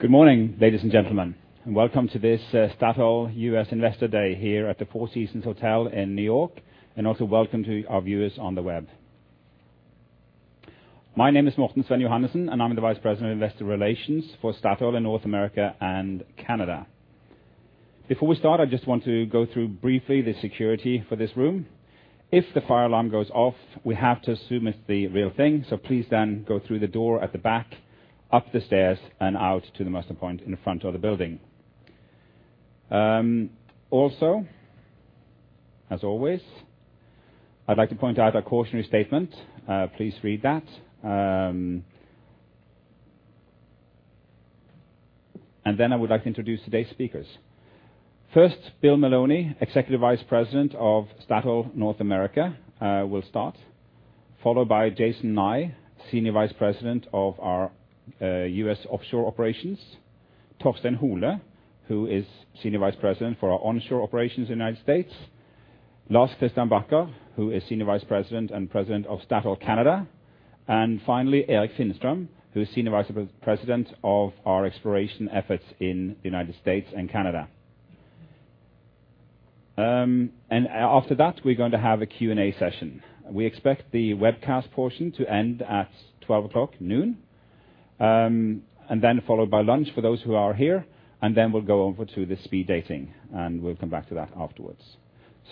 Good morning, ladies and gentlemen, and welcome to this Statoil US Investor Day here at the Four Seasons Hotel in New York. Also welcome to our viewers on the web. My name is Morten Sven Johannessen, and I'm the Vice President of Investor Relations for Statoil in North America and Canada. Before we start, I just want to go through briefly the security for this room. If the fire alarm goes off, we have to assume it's the real thing, so please then go through the door at the back, up the stairs, and out to the muster point in the front of the building. Also, as always, I'd like to point out our cautionary statement. Please read that. Then I would like to introduce today's speakers. First, Bill Maloney, Executive Vice President of Statoil North America, will start. Followed by Jason Nye, Senior Vice President of our US Offshore Operations. Torstein Hole, who is Senior Vice President for our Onshore Operations in the United States. Lars Christian Bacher, who is Senior Vice President and President of Statoil Canada. Finally, Erik Finstad, who is Senior Vice President of our exploration efforts in the United States and Canada. After that, we're going to have a Q&A session. We expect the webcast portion to end at 12:00 noon, then followed by lunch for those who are here, and then we'll go over to the speed dating, and we'll come back to that afterwards.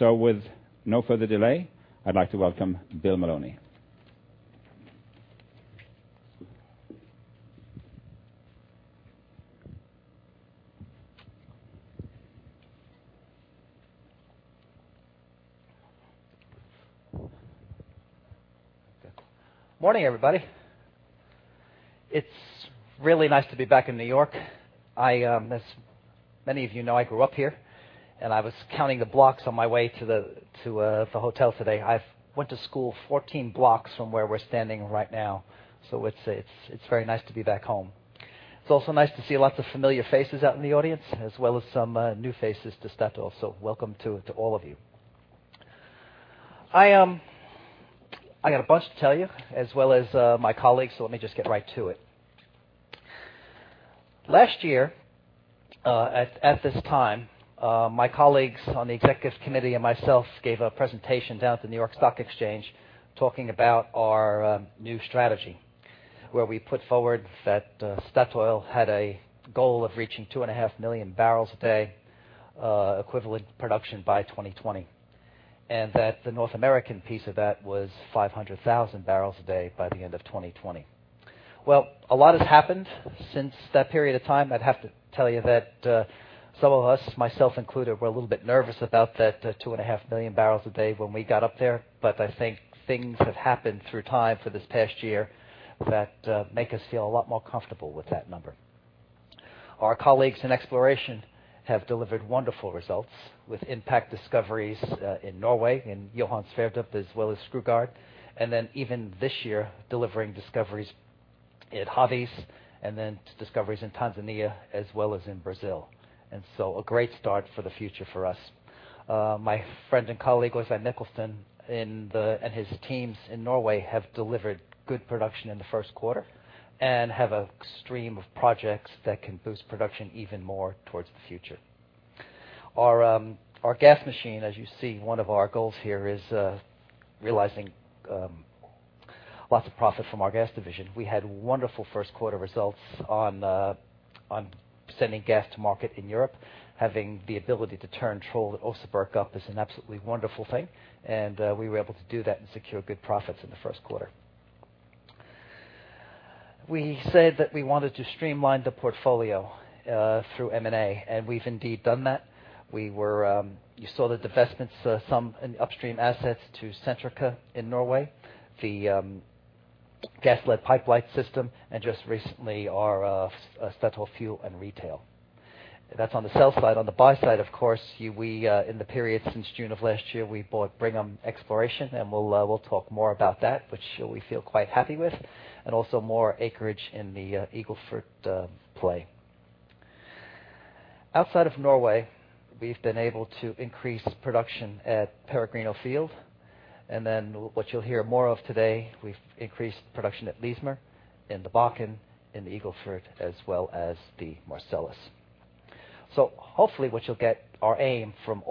With no further delay, I'd like to welcome Bill Maloney. Morning, everybody. It's really nice to be back in New York. I, as many of you know, I grew up here, and I was counting the blocks on my way to the hotel today. I went to school 14 blocks from where we're standing right now, so it's very nice to be back home. It's also nice to see lots of familiar faces out in the audience, as well as some new faces to Statoil, so welcome to all of you. I got a bunch to tell you, as well as my colleagues, so let me just get right to it. Last year, at this time, my colleagues on the executive committee and myself gave a presentation down at the New York Stock Exchange talking about our new strategy, where we put forward that Statoil had a goal of reaching 2.5 million barrels a day equivalent production by 2020, and that the North American piece of that was 500,000 barrels a day by the end of 2020. Well, a lot has happened since that period of time. I'd have to tell you that some of us, myself included, were a little bit nervous about that 2.5 million barrels a day when we got up there. I think things have happened over this past year that make us feel a lot more comfortable with that number. Our colleagues in exploration have delivered wonderful results with impact discoveries in Norway, in Johan Sverdrup, as well as Skrugard. Even this year, delivering discoveries at Havis and then discoveries in Tanzania, as well as in Brazil. A great start for the future for us. My friend and colleague, Øyvind Eriksen, and his teams in Norway have delivered good production in the first quarter and have a stream of projects that can boost production even more towards the future. Our gas machine, as you see, one of our goals here is realizing lots of profit from our gas division. We had wonderful first quarter results on sending gas to market in Europe. Having the ability to turn Troll and Oseberg up is an absolutely wonderful thing. We were able to do that and secure good profits in the first quarter. We said that we wanted to streamline the portfolio through M&A, and we've indeed done that. You saw the divestments, some in upstream assets to Centrica in Norway, the Gassled pipeline system, and just recently our Statoil Fuel & Retail. That's on the sell side. On the buy side, of course, in the period since June of last year, we bought Brigham Exploration, and we'll talk more about that, which we feel quite happy with. We also acquired more acreage in the Eagle Ford play. Outside of Norway, we've been able to increase production at Peregrino field. What you'll hear more of today, we've increased production at Leismer in the Bakken, in the Eagle Ford, as well as the Marcellus. Hopefully what you'll get, our aim from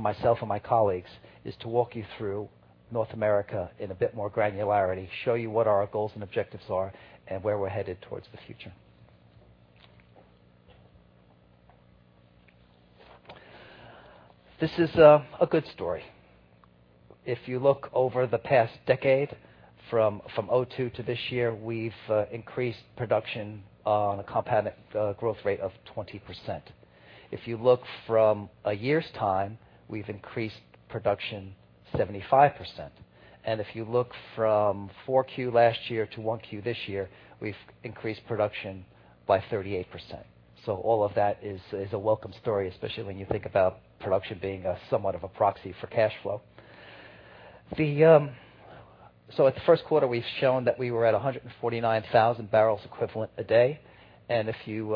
myself and my colleagues, is to walk you through North America in a bit more granularity, show you what our goals and objectives are, and where we're headed towards the future. This is a good story. If you look over the past decade, from 2002 to this year, we've increased production on a compounded growth rate of 20%. If you look from a year's time, we've increased production 75%. If you look from 4Q last year to 1Q this year, we've increased production by 38%. All of that is a welcome story, especially when you think about production being somewhat of a proxy for cash flow. In the first quarter, we've shown that we were at 149,000 barrels equivalent a day. If you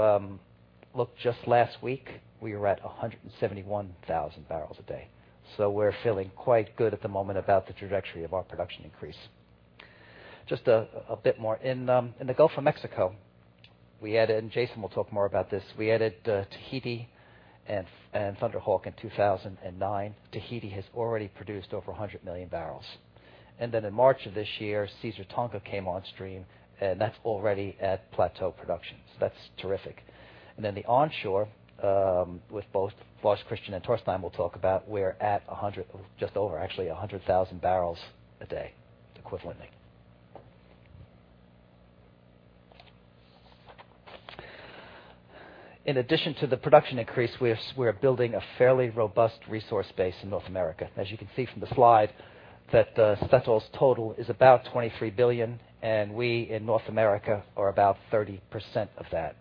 look just last week, we were at 171,000 barrels a day. We're feeling quite good at the moment about the trajectory of our production increase. Just a bit more. In the Gulf of Mexico, we added, and Jason will talk more about this. We added Tahiti and Thunder Hawk in 2009. Tahiti has already produced over 100 million barrels. In March of this year, Caesar Tonga came on stream, and that's already at plateau production. That's terrific. The onshore, with both Lars Christian and Torstein will talk about, we're just over actually 100,000 barrels a day equivalently. In addition to the production increase, we are building a fairly robust resource base in North America. As you can see from the slide that Statoil's total is about 23 billion, and we in North America are about 30% of that.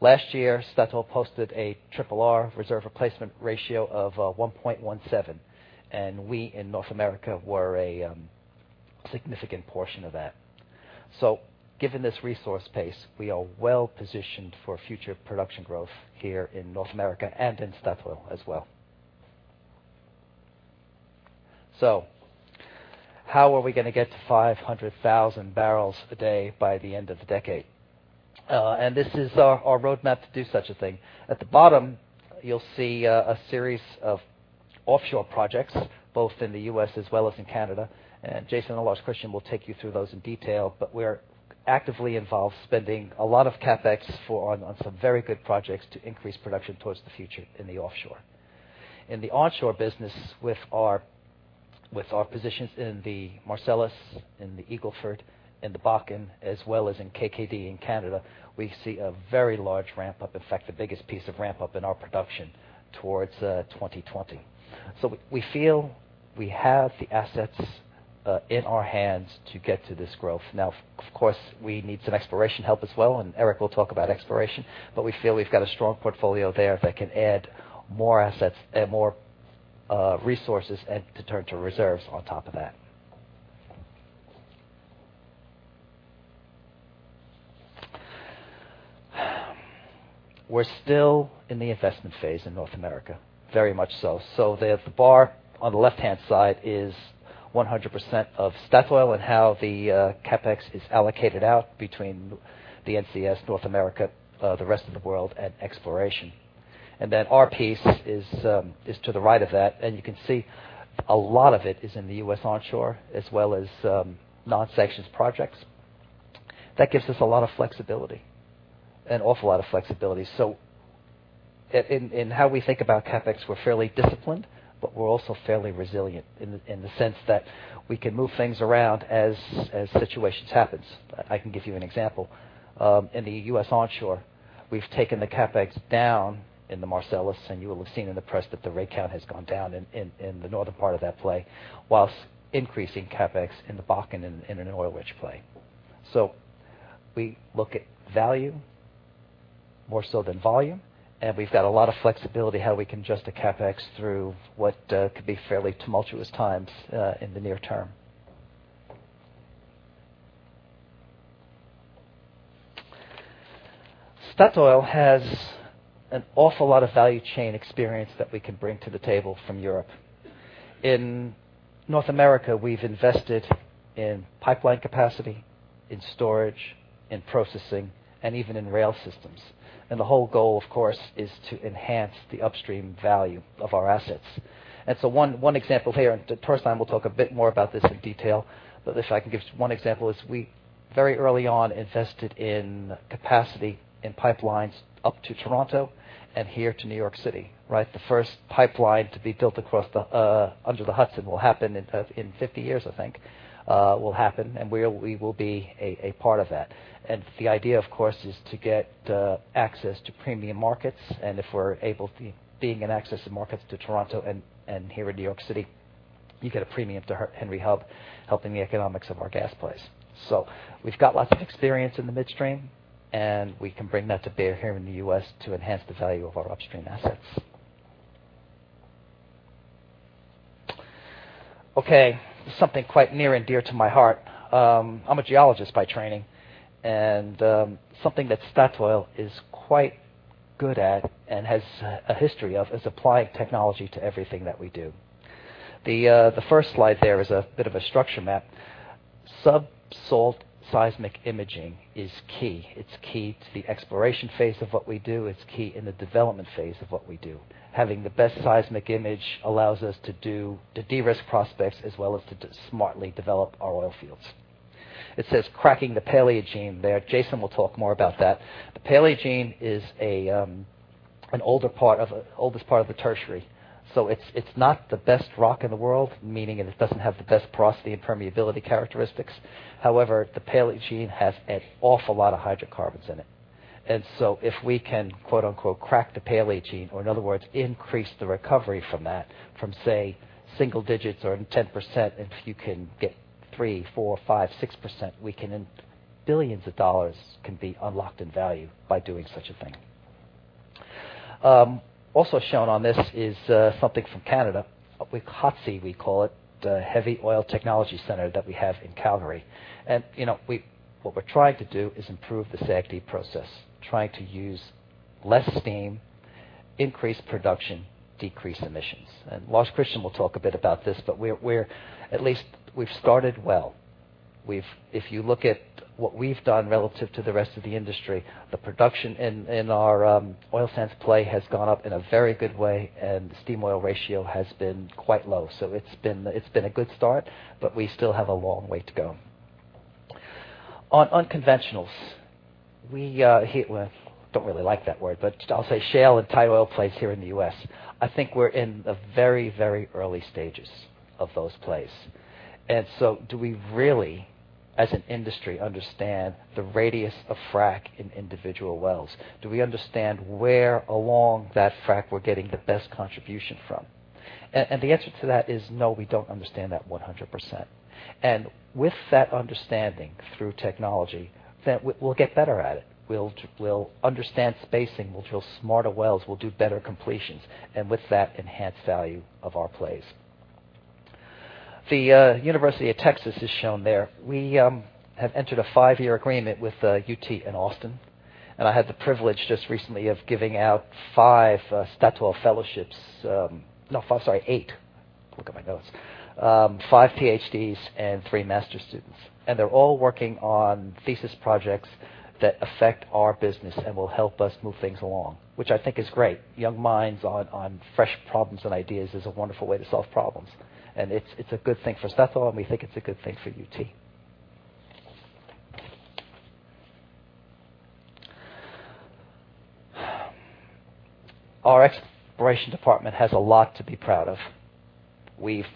Last year, Statoil posted a Triple-R reserve replacement ratio of 1.17, and we in North America were a significant portion of that. Given this resource pace, we are well-positioned for future production growth here in North America and in Statoil as well. How are we gonna get to 500,000 barrels a day by the end of the decade? This is our roadmap to do such a thing. At the bottom, you'll see a series of offshore projects, both in the U.S. as well as in Canada. Jason Nye and Lars Christian will take you through those in detail, but we're actively involved, spending a lot of CapEx on some very good projects to increase production toward the future in the offshore. In the onshore business, with our positions in the Marcellus, in the Eagle Ford, in the Bakken, as well as in KKD in Canada, we see a very large ramp up. In fact, the biggest piece of ramp up in our production towards 2020. We feel we have the assets in our hands to get to this growth. Now, of course, we need some exploration help as well, and Erik will talk about exploration, but we feel we've got a strong portfolio there that can add more assets and more resources, and to turn to reserves on top of that. We're still in the investment phase in North America, very much so. There, the bar on the left-hand side is 100% of Statoil and how the CapEx is allocated out between the NCS, North America, the rest of the world and exploration. And then our piece is to the right of that, and you can see a lot of it is in the U.S. onshore, as well as non-sanctions projects. That gives us a lot of flexibility. An awful lot of flexibility. In how we think about CapEx, we're fairly disciplined, but we're also fairly resilient in the sense that we can move things around as situations happens. I can give you an example. In the U.S. onshore, we've taken the CapEx down in the Marcellus, and you will have seen in the press that the rig count has gone down in the northern part of that play, while increasing CapEx in the Bakken in an oil-rich play. We look at value more so than volume, and we've got a lot of flexibility how we can adjust the CapEx through what could be fairly tumultuous times in the near term. Statoil has an awful lot of value chain experience that we can bring to the table from Europe. In North America, we've invested in pipeline capacity, in storage, in processing, and even in rail systems. The whole goal, of course, is to enhance the upstream value of our assets. One example here, and Torstein will talk a bit more about this in detail, but if I can give one example is we very early on invested in capacity in pipelines up to Toronto and here to New York City, right? The first pipeline to be built across the under the Hudson will happen in 50 years, I think, and we will be a part of that. The idea, of course, is to get access to premium markets. If we're able to bring access to markets to Toronto and here in New York City, you get a premium to Henry Hub helping the economics of our gas plays. We've got lots of experience in the midstream, and we can bring that to bear here in the US to enhance the value of our upstream assets. Okay, something quite near and dear to my heart. I'm a geologist by training, and something that Statoil is quite good at and has a history of is applying technology to everything that we do. The first slide there is a bit of a structure map. Sub-salt seismic imaging is key. It's key to the exploration phase of what we do. It's key in the development phase of what we do. Having the best seismic image allows us to do. to de-risk prospects as well as to smartly develop our oil fields. It says cracking the Paleogene there. Jason will talk more about that. The Paleogene is the oldest part of the Tertiary. It's not the best rock in the world, meaning it doesn't have the best porosity and permeability characteristics. However, the Paleogene has an awful lot of hydrocarbons in it. If we can quote-unquote, "crack the Paleogene," or in other words, increase the recovery from that, say, single digits or in 10%, if you can get 3, 4, 5, 6%, we can then, billions of dollars can be unlocked in value by doing such a thing. Also shown on this is something from Canada. HOTC, we call it, the Heavy Oil Technology Center that we have in Calgary. You know, what we're trying to do is improve the SAGD process, trying to use less steam. Increase production, decrease emissions. Lars Christian Bacher will talk a bit about this, but we're at least we've started well. We've If you look at what we've done relative to the rest of the industry, the production in our oil sands play has gone up in a very good way, and steam-oil ratio has been quite low. It's been a good start, but we still have a long way to go. On unconventionals, we well don't really like that word, but I'll say shale and tight oil plays here in the U.S. I think we're in the very, very early stages of those plays. Do we really, as an industry, understand the radius of frac in individual wells? Do we understand where along that frack we're getting the best contribution from? The answer to that is no, we don't understand that 100%. With that understanding through technology, then we'll get better at it. We'll understand spacing, we'll drill smarter wells, we'll do better completions, and with that, enhance value of our plays. The University of Texas is shown there. We have entered a five-year agreement with UT in Austin, and I had the privilege just recently of giving out five Statoil fellowships. No, five, sorry, eight. Look at my notes. Five PhDs and three master's students. They're all working on thesis projects that affect our business and will help us move things along, which I think is great. Young minds on fresh problems and ideas is a wonderful way to solve problems. It's a good thing for Statoil, and we think it's a good thing for UT. Our exploration department has a lot to be proud of. We've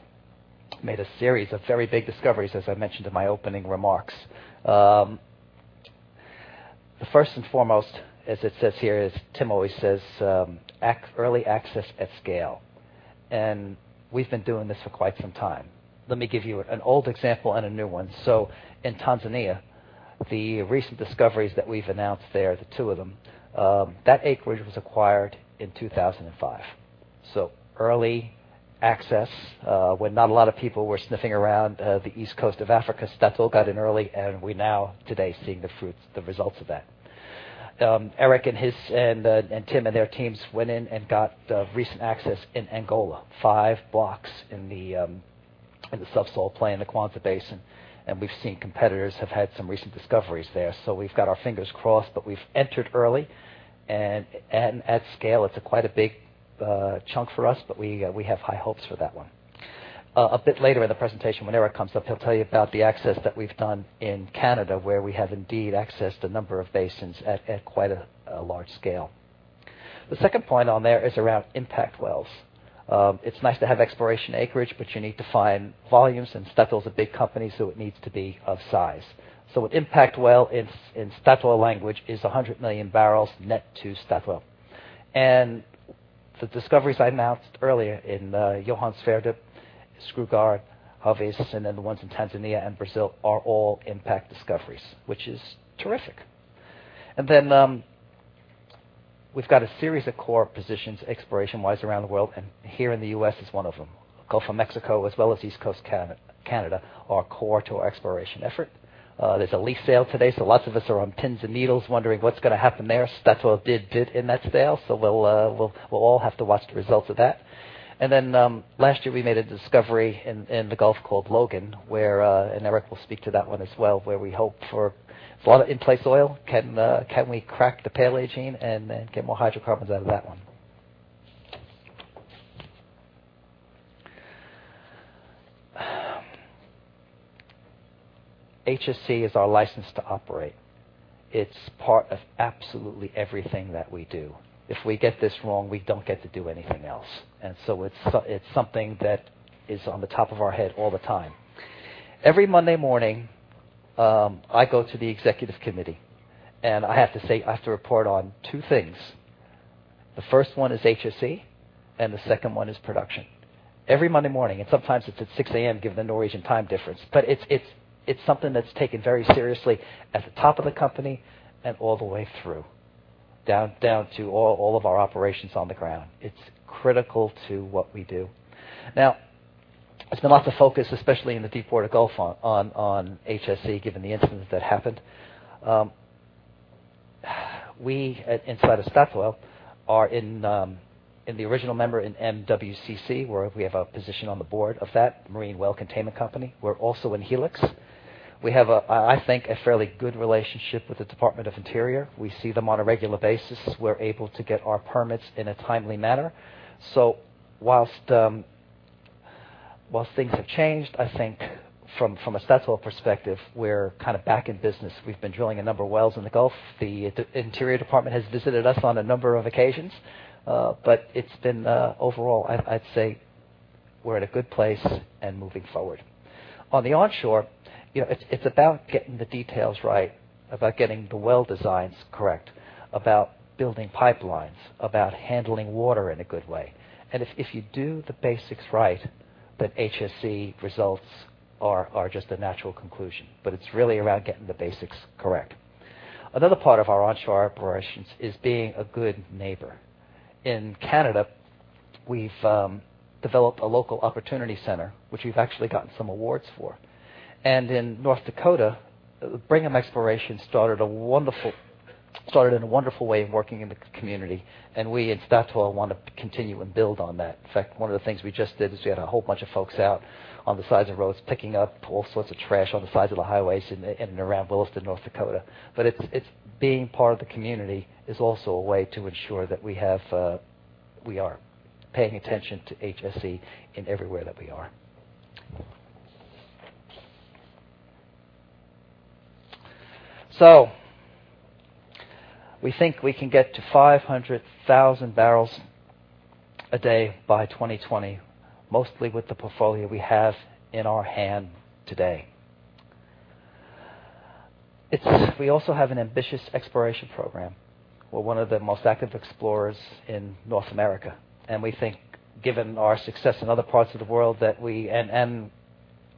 made a series of very big discoveries, as I mentioned in my opening remarks. The first and foremost, as it says here, as Tim always says, early access at scale. We've been doing this for quite some time. Let me give you an old example and a new one. In Tanzania, the recent discoveries that we've announced there, the two of them, that acreage was acquired in 2005. Early access, when not a lot of people were sniffing around, the East Coast of Africa. Statoil got in early, and we now today are seeing the fruits, the results of that. Eric and his... Tim and their teams went in and got recent access in Angola, 5 blocks in the sub-salt play in the Kwanza Basin. We've seen competitors have had some recent discoveries there. We've got our fingers crossed, but we've entered early. At scale, it's quite a big chunk for us, but we have high hopes for that one. A bit later in the presentation, when Erik comes up, he'll tell you about the access that we've done in Canada, where we have indeed accessed a number of basins at quite a large scale. The second point on there is around impact wells. It's nice to have exploration acreage, but you need to find volumes. Statoil is a big company, so it needs to be of size. An impact well in Statoil language is 100 million barrels net to Statoil. The discoveries I announced earlier, Johan Sverdrup, Skrugard, Havis, and then the ones in Tanzania and Brazil are all impact discoveries, which is terrific. We've got a series of core positions, exploration-wise, around the world, and here in the U.S. is one of them. Gulf of Mexico as well as East Coast Canada are core to our exploration effort. There's a lease sale today, so lots of us are on pins and needles wondering what's gonna happen there. Statoil did bid in that sale, so we'll all have to watch the results of that. Last year, we made a discovery in the Gulf called Logan, where... Erik will speak to that one as well, where we hope for a lot of in-place oil. Can we crack the Paleogene and then get more hydrocarbons out of that one? HSE is our license to operate. It's part of absolutely everything that we do. If we get this wrong, we don't get to do anything else. It's something that is on the top of our head all the time. Every Monday morning, I go to the executive committee, and I have to say, I have to report on two things. The first one is HSE, and the second one is production. Every Monday morning, and sometimes it's at 6:00 A.M., given the Norwegian time difference. It's something that's taken very seriously at the top of the company and all the way through, down to all of our operations on the ground. It's critical to what we do. Now, there's been lots of focus, especially in the deepwater Gulf on HSE, given the incidents that happened. We inside Statoil are one of the original members in MWCC, where we have a position on the board of that Marine Well Containment Company. We're also in Helix. We have a, I think, a fairly good relationship with the Department of the Interior. We see them on a regular basis. We're able to get our permits in a timely manner. While things have changed, I think from a Statoil perspective, we're kind of back in business. We've been drilling a number of wells in the Gulf. The Department of the Interior has visited us on a number of occasions, but it's been overall, I'd say we're at a good place and moving forward. On the onshore, it's about getting the details right, about getting the well designs correct, about building pipelines, about handling water in a good way. If you do the basics right, then HSE results are just a natural conclusion. It's really around getting the basics correct. Another part of our onshore operations is being a good neighbor. In Canada, we've developed a local opportunity center, which we've actually gotten some awards for. In North Dakota, the Brigham Exploration started in a wonderful way of working in the community, and we at Statoil want to continue and build on that. In fact, one of the things we just did is we had a whole bunch of folks out on the sides of roads, picking up all sorts of trash on the sides of the highways in and around Williston, North Dakota. It's being part of the community is also a way to ensure that we are paying attention to HSE in everywhere that we are. We think we can get to 500,000 barrels a day by 2020, mostly with the portfolio we have in our hand today. We also have an ambitious exploration program. We're one of the most active explorers in North America, and we think, given our success in other parts of the world, that we.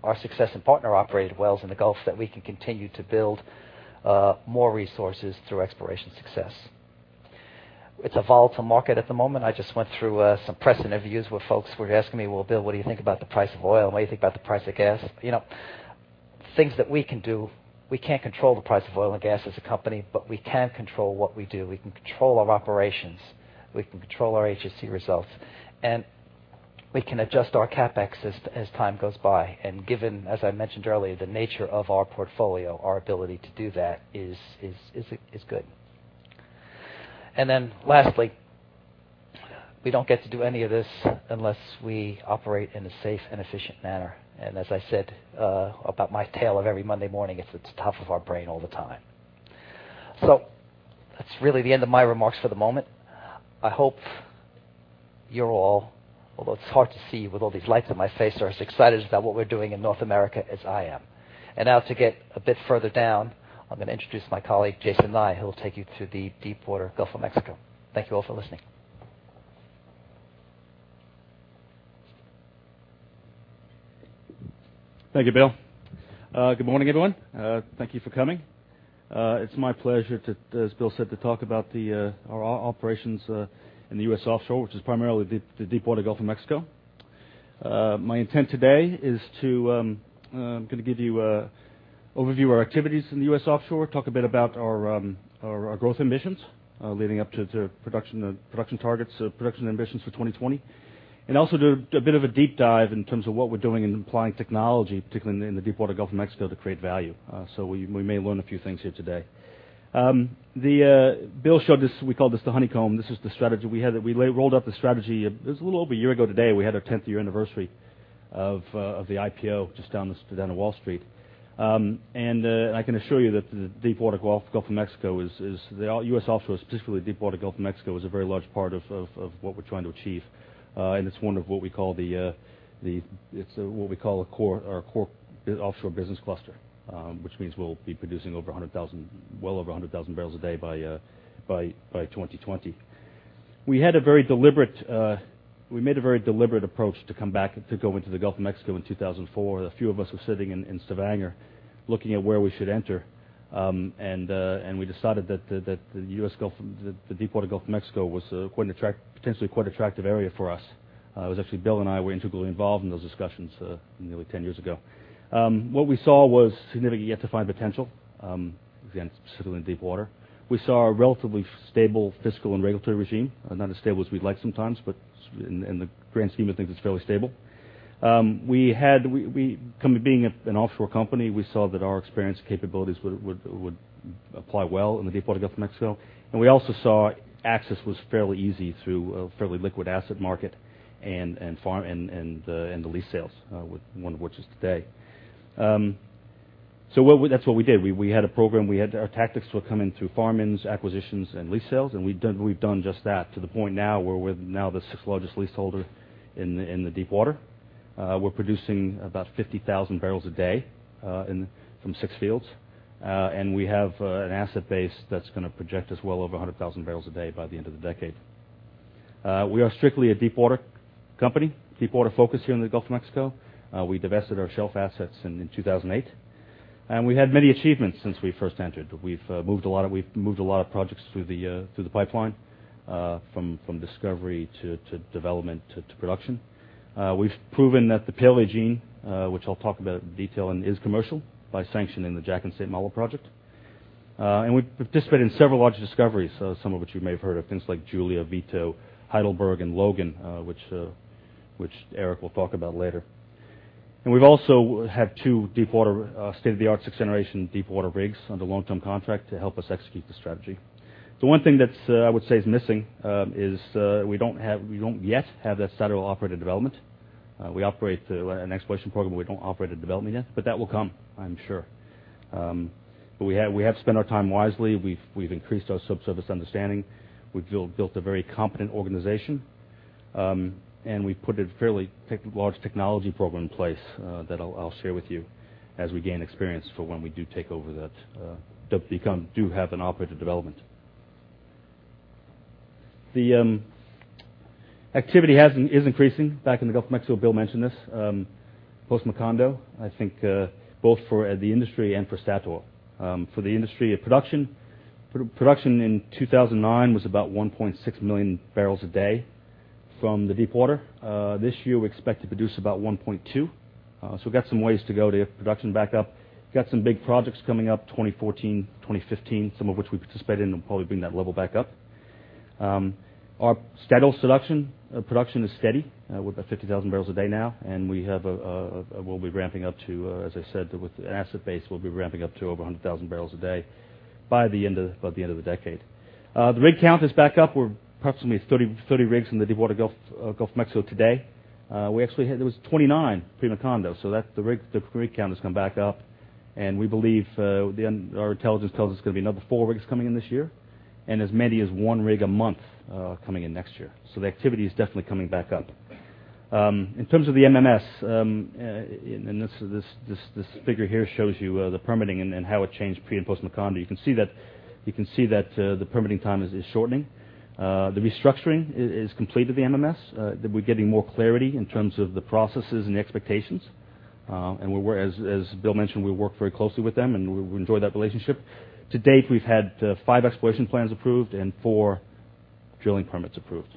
Our success in partner-operated wells in the Gulf, that we can continue to build more resources through exploration success. It's a volatile market at the moment. I just went through some press interviews where folks were asking me, "Well, Bill, what do you think about the price of oil? What do you think about the price of gas?" You know, things that we can do, we can't control the price of oil and gas as a company, but we can control what we do. We can control our operations. We can control our HSE results, and we can adjust our CapEx as time goes by. Given, as I mentioned earlier, the nature of our portfolio, our ability to do that is good. Lastly, we don't get to do any of this unless we operate in a safe and efficient manner. As I said, about my tale of every Monday morning, it's at the top of our brain all the time. That's really the end of my remarks for the moment. I hope you're all, although it's hard to see with all these lights on my face, are as excited about what we're doing in North America as I am. Now to get a bit further down, I'm gonna introduce my colleague, Jason Nye, who will take you through the Deepwater Gulf of Mexico. Thank you all for listening. Thank you, Bill. Good morning, everyone. Thank you for coming. It's my pleasure to, as Bill said, to talk about our operations in the U.S. offshore, which is primarily the Deepwater Gulf of Mexico. My intent today is to, I'm gonna give you an overview of our activities in the U.S. offshore, talk a bit about our growth ambitions, leading up to production targets, production ambitions for 2020. Also do a bit of a deep dive in terms of what we're doing in applying technology, particularly in the Deepwater Gulf of Mexico, to create value. So we may learn a few things here today. Bill showed this, we call this the honeycomb. This is the strategy we had that we lay. Rolled out the strategy. It was a little over a year ago. Today we had our 10th-year anniversary of the IPO just down at Wall Street. I can assure you that the U.S. offshore, specifically deepwater Gulf of Mexico, is a very large part of what we're trying to achieve. It's what we call our core U.S. offshore business cluster, which means we'll be producing over 100,000, well over 100,000 barrels a day by 2020. We made a very deliberate approach to come back to go into the Gulf of Mexico in 2004. A few of us were sitting in Stavanger looking at where we should enter, and we decided that the U.S. Gulf, the Deepwater Gulf of Mexico was potentially quite attractive area for us. It was actually Bill and I were integrally involved in those discussions nearly 10 years ago. What we saw was significant yet to find potential, again, specifically in Deepwater. We saw a relatively stable fiscal and regulatory regime, not as stable as we'd like sometimes, but in the grand scheme of things, it's fairly stable. Coming and being an offshore company, we saw that our experience and capabilities would apply well in the Deepwater Gulf of Mexico. We also saw access was fairly easy through a fairly liquid asset market and farm-ins and the lease sales, with one of which is today. That's what we did. We had a program. Our tactics were come in through farm-ins, acquisitions, and lease sales, and we've done just that to the point where we're the sixth-largest leaseholder in the Deepwater. We're producing about 50,000 barrels a day from six fields. We have an asset base that's gonna project us well over 100,000 barrels a day by the end of the decade. We are strictly a Deepwater company, Deepwater-focused here in the Gulf of Mexico. We divested our shelf assets in 2008. We had many achievements since we first entered. We've moved a lot of projects through the pipeline from discovery to development to production. We've proven that the Paleogene, which I'll talk about in detail, is commercial by sanctioning the Jack and St. Malo project. We've participated in several large discoveries, some of which you may have heard of, things like Julia, Vito, Heidelberg, and Logan, which Erik will talk about later. We've also had two deepwater state-of-the-art sixth-generation deepwater rigs under long-term contract to help us execute the strategy. The one thing that's, I would say is missing, is we don't yet have that satellite operator development. We operate an exploration program, but we don't operate a development yet, but that will come, I'm sure. We have spent our time wisely. We've increased our subsurface understanding. We've built a very competent organization. We've put a fairly large technology program in place that I'll share with you as we gain experience for when we do take over that we become do have an operator development. The activity is increasing back in the Gulf of Mexico. Bill mentioned this. Post-Macondo, I think, both for the industry and for Statoil. For the industry, production in 2009 was about 1.6 million barrels a day from the deepwater. This year, we expect to produce about 1.2. We've got some ways to go to get production back up. Got some big projects coming up, 2014, 2015, some of which we participate in and probably bring that level back up. Our scheduled production is steady. We're about 50,000 barrels a day now, and we'll be ramping up to, as I said, with the asset base, over 100,000 barrels a day by the end of the decade. The rig count is back up. We're approximately 30 rigs in the deepwater Gulf of Mexico today. We actually had 29 pre-Macondo, so the rig count has come back up. We believe intelligence tells us there's gonna be another 4 rigs coming in this year and as many as 1 rig a month coming in next year. The activity is definitely coming back up. In terms of the MMS, this figure here shows you the permitting and how it changed pre and post Macondo. You can see that the permitting time is shortening. The restructuring is complete of the MMS, that we're getting more clarity in terms of the processes and the expectations. As Bill mentioned, we work very closely with them and we enjoy that relationship. To date, we've had 5 exploration plans approved and 4 drilling permits approved.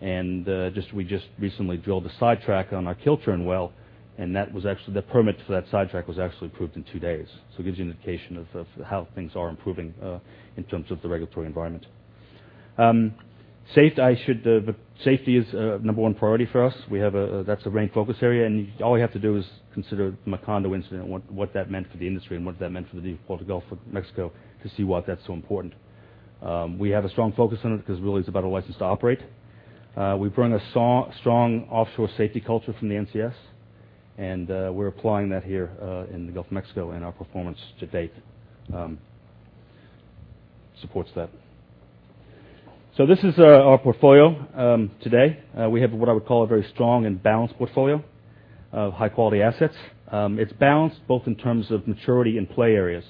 We just recently drilled a sidetrack on our Kiltern well, and the permit for that sidetrack was actually approved in 2 days. It gives you an indication of how things are improving in terms of the regulatory environment. Safety is number one priority for us. That's a main focus area, and all we have to do is consider the Macondo incident and what that meant for the industry and what that meant for the deepwater Gulf of Mexico to see why that's so important. We have a strong focus on it because really it's about a license to operate. We bring a so strong offshore safety culture from the NCS, and we're applying that here in the Gulf of Mexico, and our performance to date supports that. This is our portfolio today. We have what I would call a very strong and balanced portfolio of high-quality assets. It's balanced both in terms of maturity and play areas.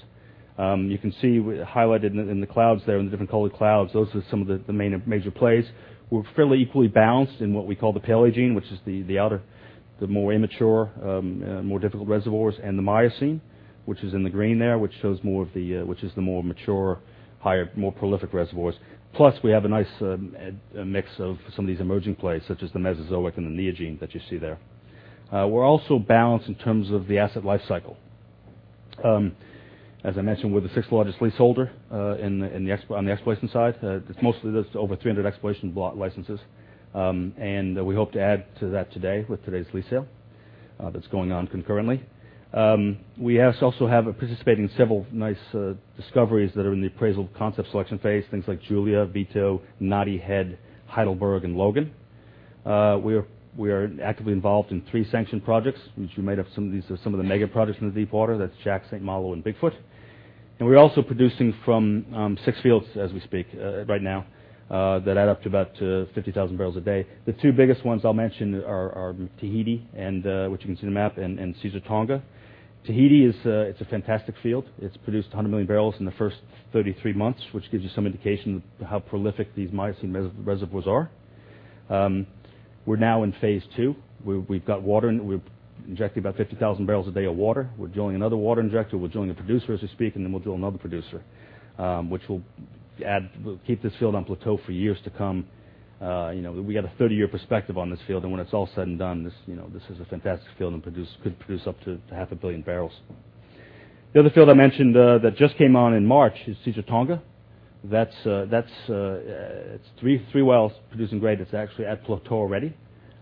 You can see highlighted in the clouds there, in the different colored clouds, those are some of the main major plays. We're fairly equally balanced in what we call the Paleogene, which is the outer, the more immature, more difficult reservoirs, and the Miocene, which is in the green there, which shows more of the, which is the more mature, higher, more prolific reservoirs. Plus, we have a nice mix of some of these emerging plays, such as the Mesozoic and the Neogene that you see there. We're also balanced in terms of the asset lifecycle. As I mentioned, we're the sixth largest leaseholder in the exploration side. It's mostly this over 300 exploration block licenses. We hope to add to that today with today's lease sale that's going on concurrently. We also have a participation in several nice discoveries that are in the appraisal concept selection phase, things like Julia, Vito, Knotty Head, Heidelberg, and Logan. We are actively involved in 3 sanctioned projects, which you may have heard of some of these, some of the mega projects in the deepwater, that's Jack, St. Malo, and Bigfoot. We're also producing from six fields as we speak, right now, that add up to about 50,000 barrels a day. The two biggest ones I'll mention are Tahiti and which you can see on the map, and Caesar Tonga. Tahiti is a fantastic field. It's produced 100 million barrels in the first 33 months, which gives you some indication how prolific these Miocene reservoirs are. We're now in phase two. We've got water in. We're injecting about 50,000 barrels a day of water. We're drilling another water injector. We're drilling a producer as we speak, and then we'll drill another producer, which will keep this field on plateau for years to come. You know, we had a 30-year perspective on this field, and when it's all said and done, this, you know, this is a fantastic field and could produce up to half a billion barrels. The other field I mentioned, that just came on in March is Caesar Tonga. That's three wells producing great. It's actually at plateau already.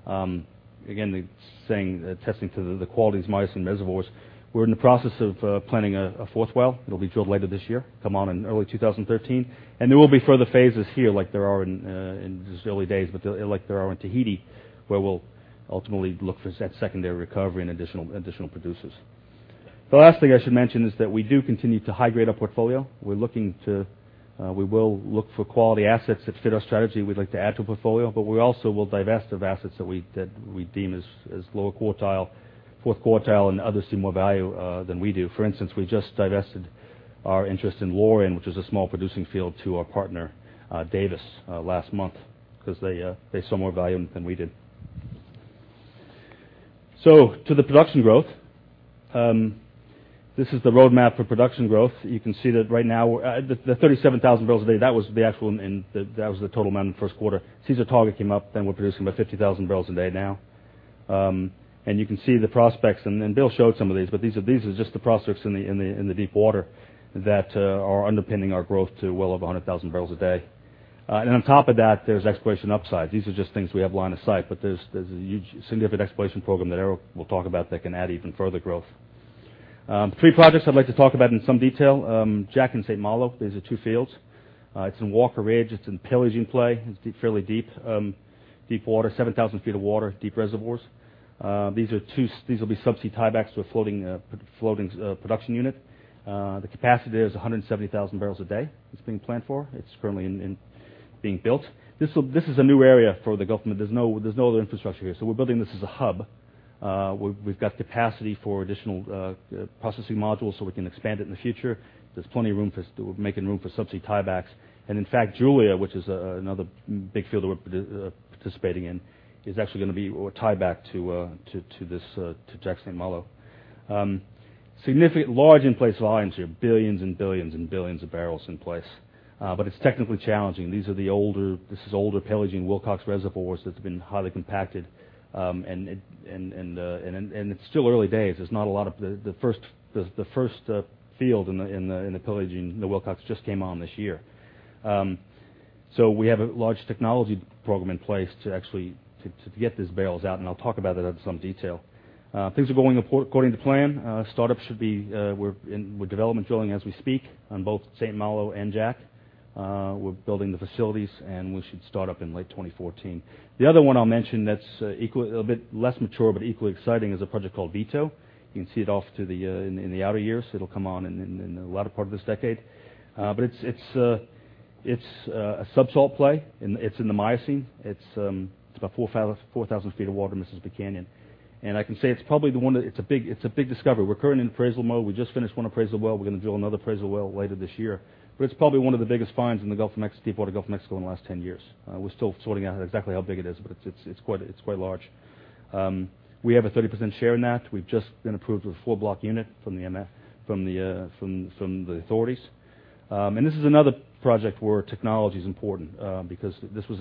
Again, it's attesting to the quality of these Miocene reservoirs. We're in the process of planning a fourth well. It'll be drilled later this year, come on in early 2013. There will be further phases here like there are in these early days, but, like there are in Tahiti, where we'll ultimately look for that secondary recovery and additional producers. The last thing I should mention is that we do continue to high-grade our portfolio. We will look for quality assets that fit our strategy we'd like to add to our portfolio, but we also will divest of assets that we deem as lower quartile, fourth quartile, and others see more value than we do. For instance, we just divested our interest in Loryan, which is a small producing field, to our partner Davis last month 'cause they saw more value than we did. To the production growth. This is the roadmap for production growth. You can see that right now the 37,000 barrels a day, that was the actual that was the total amount in the first quarter. Caesar Tonga came up, we're producing about 50,000 barrels a day now. You can see the prospects, and Bill showed some of these, but these are just the prospects in the deepwater that are underpinning our growth to well over 100,000 barrels a day. On top of that, there's exploration upside. These are just things we have line of sight, but there's a huge significant exploration program that Eric will talk about that can add even further growth. Three projects I'd like to talk about in some detail. Jack and St. Malo, these are two fields. It's in Walker Ridge, it's in Paleogene play. It's deep, fairly deep, deep water, 7,000 feet of water, deep reservoirs. These will be subsea tiebacks to a floating production unit. The capacity is 170,000 barrels a day that's being planned for. It's currently being built. This is a new area for the government. There's no other infrastructure here. We're building this as a hub. We've got capacity for additional processing modules, so we can expand it in the future. There's plenty of room for subsea tiebacks. In fact, Julia, which is another big field that we're participating in, is actually gonna be a tieback to this, to Jack/St. Malo. Significant large in-place volumes here, billions of barrels in place. But it's technically challenging. This is older Paleogene Wilcox reservoirs that's been highly compacted, and it's still early days. There's not a lot. The first field in the Paleogene, the Wilcox just came on this year. So we have a large technology program in place to actually get these barrels out, and I'll talk about that in some detail. Things are going according to plan. Startup should be. We're development drilling as we speak on both St. Malo and Jack. We're building the facilities, and we should start up in late 2014. The other one I'll mention that's a bit less mature but equally exciting is a project called Vito. You can see it in the outer years. It'll come on in the latter part of this decade. It's a sub-salt play, and it's in the Miocene. It's about 4,000 feet of water in the Mississippi Canyon. I can say it's probably the one. It's a big discovery. We're currently in appraisal mode. We just finished one appraisal well. We're gonna drill another appraisal well later this year. It's probably one of the biggest finds in the Deepwater Gulf of Mexico in the last 10 years. We're still sorting out exactly how big it is, but it's quite large. We have a 30% share in that. We've just been approved with a 4-block unit from the MMS from the authorities. This is another project where technology is important, because this was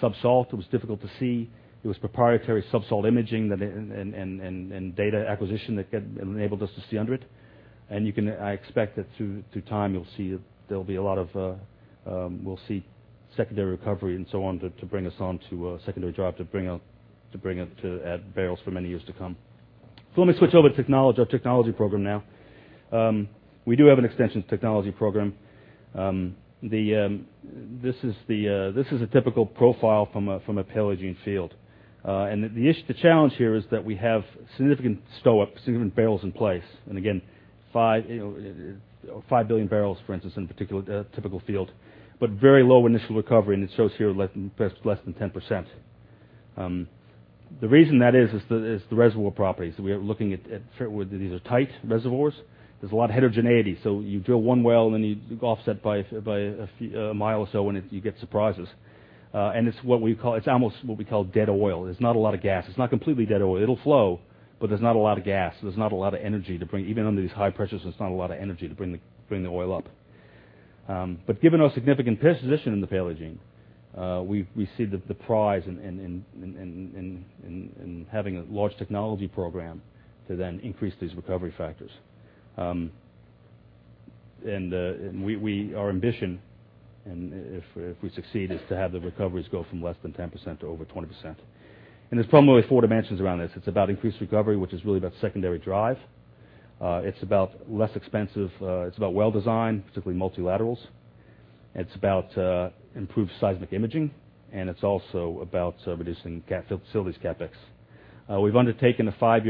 sub-salt. It was difficult to see. It was proprietary sub-salt imaging and data acquisition that enabled us to see under it. You can expect that through time you'll see there'll be a lot of we'll see secondary recovery and so on to bring us on to a secondary drive to bring out to bring up barrels for many years to come. Let me switch over to our technology program now. We do have an extensive technology program. This is a typical profile from a Paleogene field. The challenge here is that we have significant STOIIP, significant barrels in place. Again, 5 billion barrels, you know, for instance, in particular, typical field, but very low initial recovery, and it shows here less than 10%. The reason that is is the reservoir properties. We are looking at. These are tight reservoirs. There's a lot of heterogeneity. You drill one well, and then you offset by a few miles or so, and you get surprises. It's what we call, it's almost what we call dead oil. There's not a lot of gas. It's not completely dead oil. It'll flow, but there's not a lot of gas. There's not a lot of energy to bring. Even under these high pressures, there's not a lot of energy to bring the oil up. Given our significant position in the Paleogene, we see the prize in having a large technology program to then increase these recovery factors. Our ambition, and if we succeed, is to have the recoveries go from less than 10% to over 20%. There's probably four dimensions around this. It's about increased recovery, which is really about secondary drive. It's about less expensive, it's about well design, particularly multilaterals. It's about improved seismic imaging, and it's also about reducing CapEx for facilities.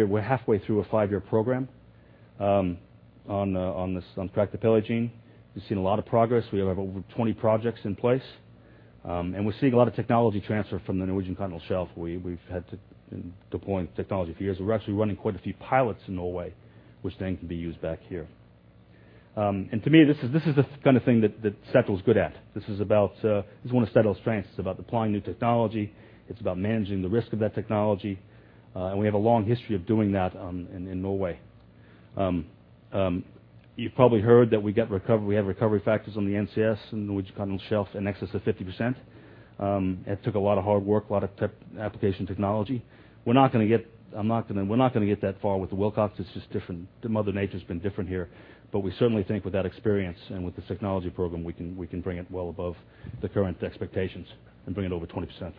We're halfway through a five-year program on Crack the Paleogene. We've seen a lot of progress. We have over 20 projects in place. We're seeing a lot of technology transfer from the Norwegian Continental Shelf. We've had to deploy technology for years. We're actually running quite a few pilots in Norway, which then can be used back here. To me, this is the kinda thing that Statoil's good at. This is about. This is one of Statoil's strengths. It's about deploying new technology. It's about managing the risk of that technology, and we have a long history of doing that in Norway. You've probably heard that we have recovery factors on the NCS, in the Norwegian Continental Shelf, in excess of 50%. It took a lot of hard work, a lot of technology application. We're not gonna get that far with the Wilcox. It's just different. Mother Nature's been different here. We certainly think with that experience and with this technology program, we can bring it well above the current expectations and bring it over 20%.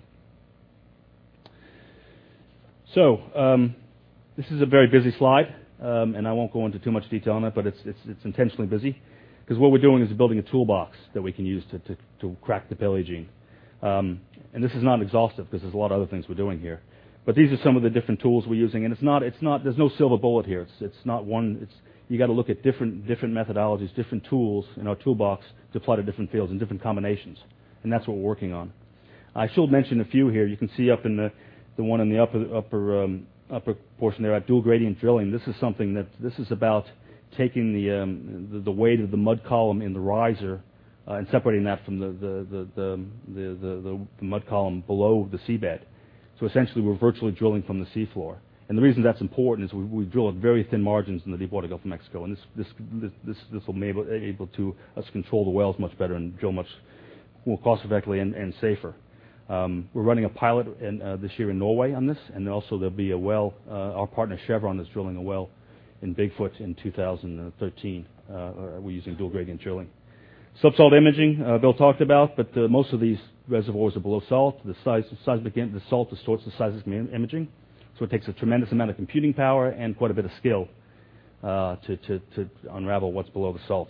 This is a very busy slide, and I won't go into too much detail on it, but it's intentionally busy 'cause what we're doing is building a toolbox that we can use to Crack the Paleogene. This is not exhaustive. This is a lot of other things we're doing here. These are some of the different tools we're using, and it's not. There's no silver bullet here. It's not one. You gotta look at different methodologies, different tools in our toolbox to apply to different fields and different combinations, and that's what we're working on. I should mention a few here. You can see up in the one in the upper portion there, our Dual Gradient Drilling. This is about taking the weight of the mud column in the riser and separating that from the mud column below the seabed. So essentially, we're virtually drilling from the seafloor. The reason that's important is we drill at very thin margins in the deepwater Gulf of Mexico, and this will allow us to control the wells much better and drill much more cost effectively and safer. We're running a pilot in this year in Norway on this, and also there'll be a well, our partner Chevron is drilling a well in Bigfoot in 2013, we're using dual gradient drilling. Sub-salt imaging, Bill talked about, but most of these reservoirs are below salt. The size, again, the salt distorts the seismic imaging, so it takes a tremendous amount of computing power and quite a bit of skill to unravel what's below the salt.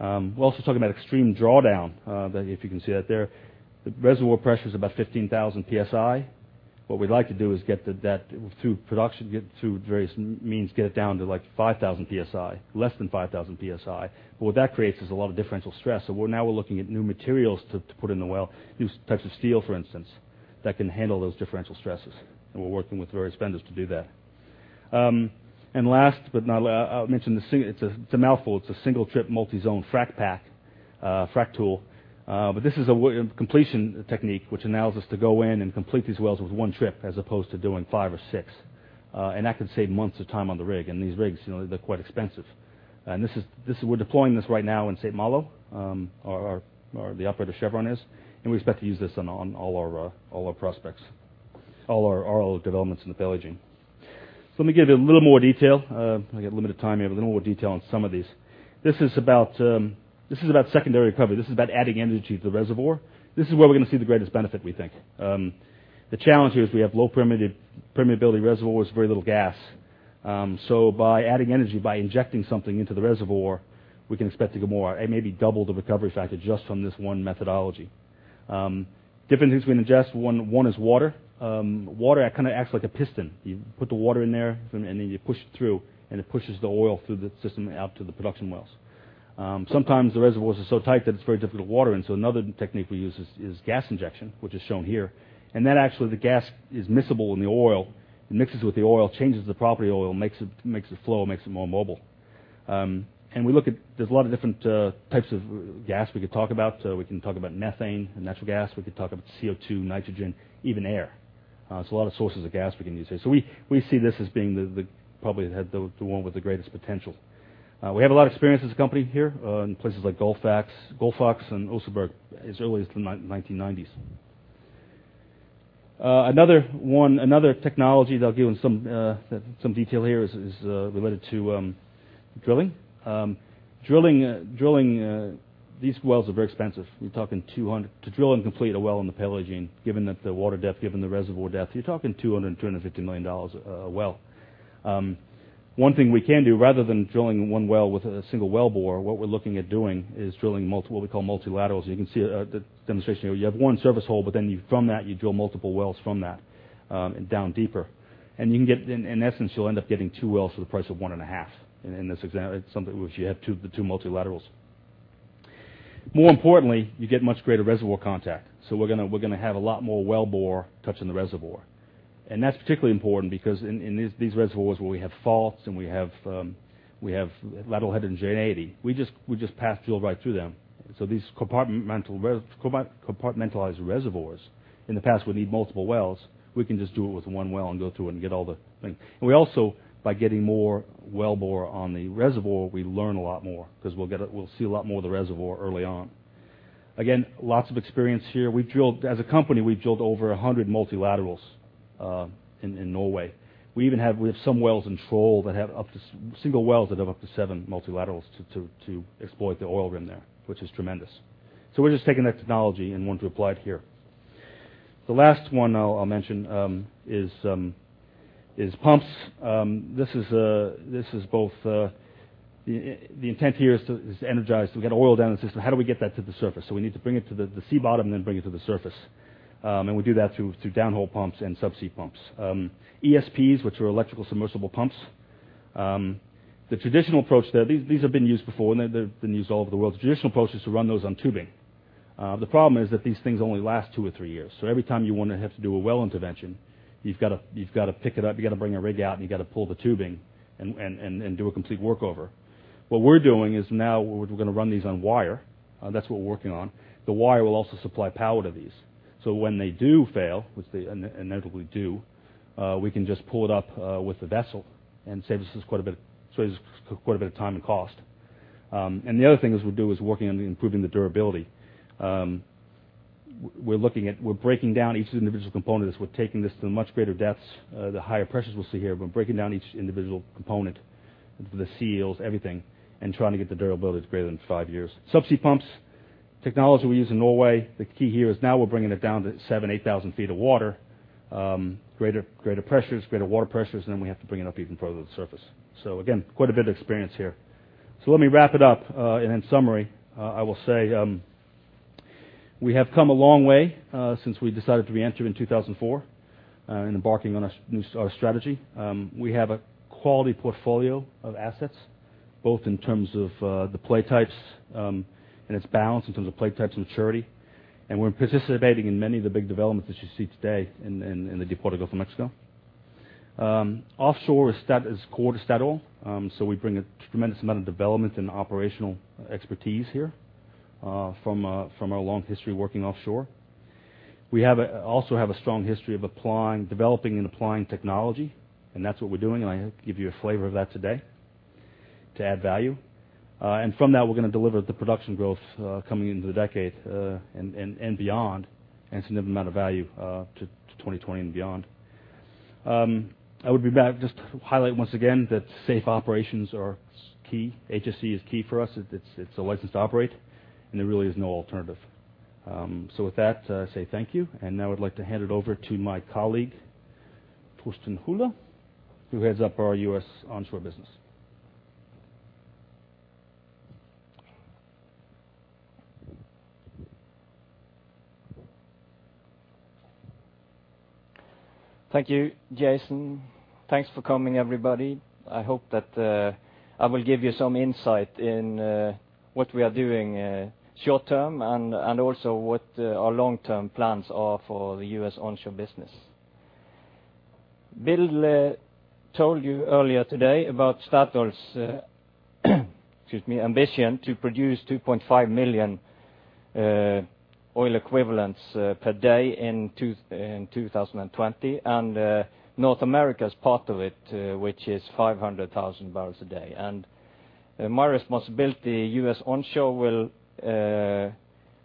We're also talking about extreme drawdown, if you can see that there. The reservoir pressure is about 15,000 PSI. What we'd like to do is get that through production, get through various means, get it down to, like, 5,000 PSI, less than 5,000 PSI. What that creates is a lot of differential stress. We're now looking at new materials to put in the well, new types of steel, for instance, that can handle those differential stresses, and we're working with various vendors to do that. Last but not least, I'll mention it. It's a mouthful. It's a single-trip multi-zone frac-pack, frac tool. This is a completion technique which allows us to go in and complete these wells with one trip as opposed to doing five or six. That could save months of time on the rig. These rigs, you know, they're quite expensive. We're deploying this right now in St. Our operator Chevron is. We expect to use this on all our prospects, all our developments in the Paleogene. Let me give you a little more detail. I got limited time here, but a little more detail on some of these. This is about secondary recovery. This is about adding energy to the reservoir. This is where we're gonna see the greatest benefit, we think. The challenge here is we have low permeability reservoirs, very little gas. By adding energy, by injecting something into the reservoir, we can expect to get more, maybe double the recovery factor just from this one methodology. Different things we can inject. One is water. Water kinda acts like a piston. You put the water in there, and then you push it through, and it pushes the oil through the system out to the production wells. Sometimes the reservoirs are so tight that it's very difficult to water in, so another technique we use is gas injection, which is shown here. That actually, the gas is miscible in the oil. It mixes with the oil, changes the property of the oil, makes it flow, makes it more mobile. There's a lot of different types of gas we could talk about. We can talk about methane and natural gas. We could talk about CO2, nitrogen, even air. There's a lot of sources of gas we can use here. We see this as being the one with the greatest potential. We have a lot of experience as a company here in places like Gullfaks and Oseberg as early as the 1990s. Another technology that I'll give in some detail here is related to drilling. Drilling these wells are very expensive. We're talking $200 million-$250 million to drill and complete a well in the Paleogene, given that the water depth, given the reservoir depth, a well. One thing we can do, rather than drilling one well with a single wellbore, what we're looking at doing is drilling multiple, what we call multilaterals. You can see the demonstration here. You have one service hole, but then from that, you drill multiple wells from that and down deeper. You can get. In essence, you'll end up getting two wells for the price of one and a half in this example, something which you have two multilaterals. More importantly, you get much greater reservoir contact. We're gonna have a lot more wellbore touching the reservoir. That's particularly important because in these reservoirs where we have faults and we have lateral heterogeneity, we just pass fluid right through them. These compartmentalized reservoirs, in the past, we need multiple wells. We can just do it with one well and go through and get all the things. We also, by getting more wellbore on the reservoir, we learn a lot more 'cause we'll see a lot more of the reservoir early on. Again, lots of experience here. We've drilled, as a company, over 100 multilaterals in Norway. We even have some single wells in Troll that have up to 7 multilaterals to exploit the oil rim there, which is tremendous. We're just taking that technology and want to apply it here. The last one I'll mention is pumps. This is both. The intent here is to energize. We got oil down the system. How do we get that to the surface? We need to bring it to the sea bottom, then bring it to the surface. We do that through downhole pumps and subsea pumps. ESPs, which are electrical submersible pumps, the traditional approach there, these have been used before, and they've been used all over the world. The traditional approach is to run those on tubing. The problem is that these things only last two or three years. Every time you wanna have to do a well intervention, you've gotta pick it up, you gotta bring a rig out, and you gotta pull the tubing and do a complete workover. What we're doing is we're gonna run these on wire. That's what we're working on. The wire will also supply power to these. When they do fail, which they inevitably do, we can just pull it up with the vessel and save us quite a bit of time and cost. The other thing is what we'll do is working on improving the durability. We're looking at breaking down each of the individual components. We're taking this to much greater depths, the higher pressures we'll see here. We're breaking down each individual component, the seals, everything, and trying to get the durability that's greater than five years. Subsea pumps, technology we use in Norway. The key here is now we're bringing it down to 7,000-8,000 feet of water. Greater pressures, greater water pressures, and then we have to bring it up even further to the surface. Again, quite a bit of experience here. Let me wrap it up. In summary, I will say we have come a long way since we decided to reenter in 2004, and embarking on our new strategy. We have a quality portfolio of assets, both in terms of the play types and its balance in terms of play types and maturity. We're participating in many of the big developments that you see today in the deep water Gulf of Mexico. Offshore is core to Statoil, so we bring a tremendous amount of development and operational expertise here from our long history working offshore. We also have a strong history of applying, developing and applying technology, and that's what we're doing, and I gave you a flavor of that today, to add value. From that, we're gonna deliver the production growth coming into the decade and beyond, and a significant amount of value to 2020 and beyond. I would be back just to highlight once again that safe operations are key. HSE is key for us. It's a license to operate, and there really is no alternative. With that, I say thank you, and now I'd like to hand it over to my colleague, Torstein Hole, who heads up our U.S. onshore business. Thank you, Jason. Thanks for coming, everybody. I hope that I will give you some insight in what we are doing short term and also what our long-term plans are for the U.S. onshore business. Bill told you earlier today about Statoil's, excuse me, ambition to produce 2.5 million oil equivalents per day in 2020. North America is part of it, which is 500,000 barrels a day. My responsibility U.S. Onshore will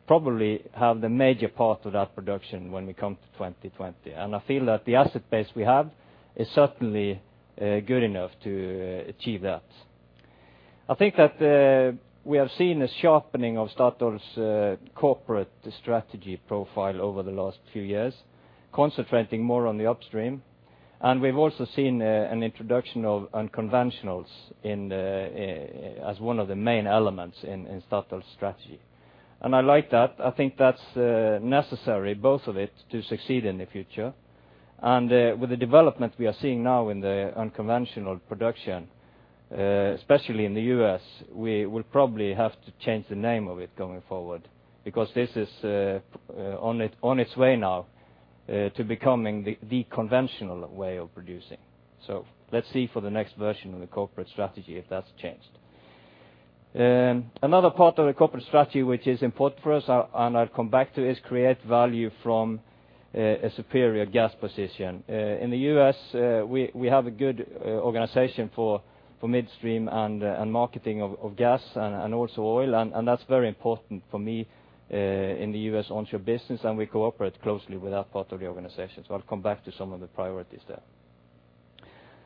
probably have the major part of that production when we come to 2020. I feel that the asset base we have is certainly good enough to achieve that. I think that we have seen a sharpening of Statoil's corporate strategy profile over the last few years, concentrating more on the upstream. We've also seen an introduction of unconventionals in as one of the main elements in Statoil's strategy. I like that. I think that's necessary, both of it, to succeed in the future. With the development we are seeing now in the unconventional production, especially in the U.S., we will probably have to change the name of it going forward because this is on its way now to becoming the conventional way of producing. Let's see for the next version of the corporate strategy, if that's changed. Another part of the corporate strategy which is important for us, and I'll come back to, is create value from a superior gas position. In the US, we have a good organization for midstream and marketing of gas and also oil. That's very important for me in the US onshore business, and we cooperate closely with that part of the organization. I'll come back to some of the priorities there.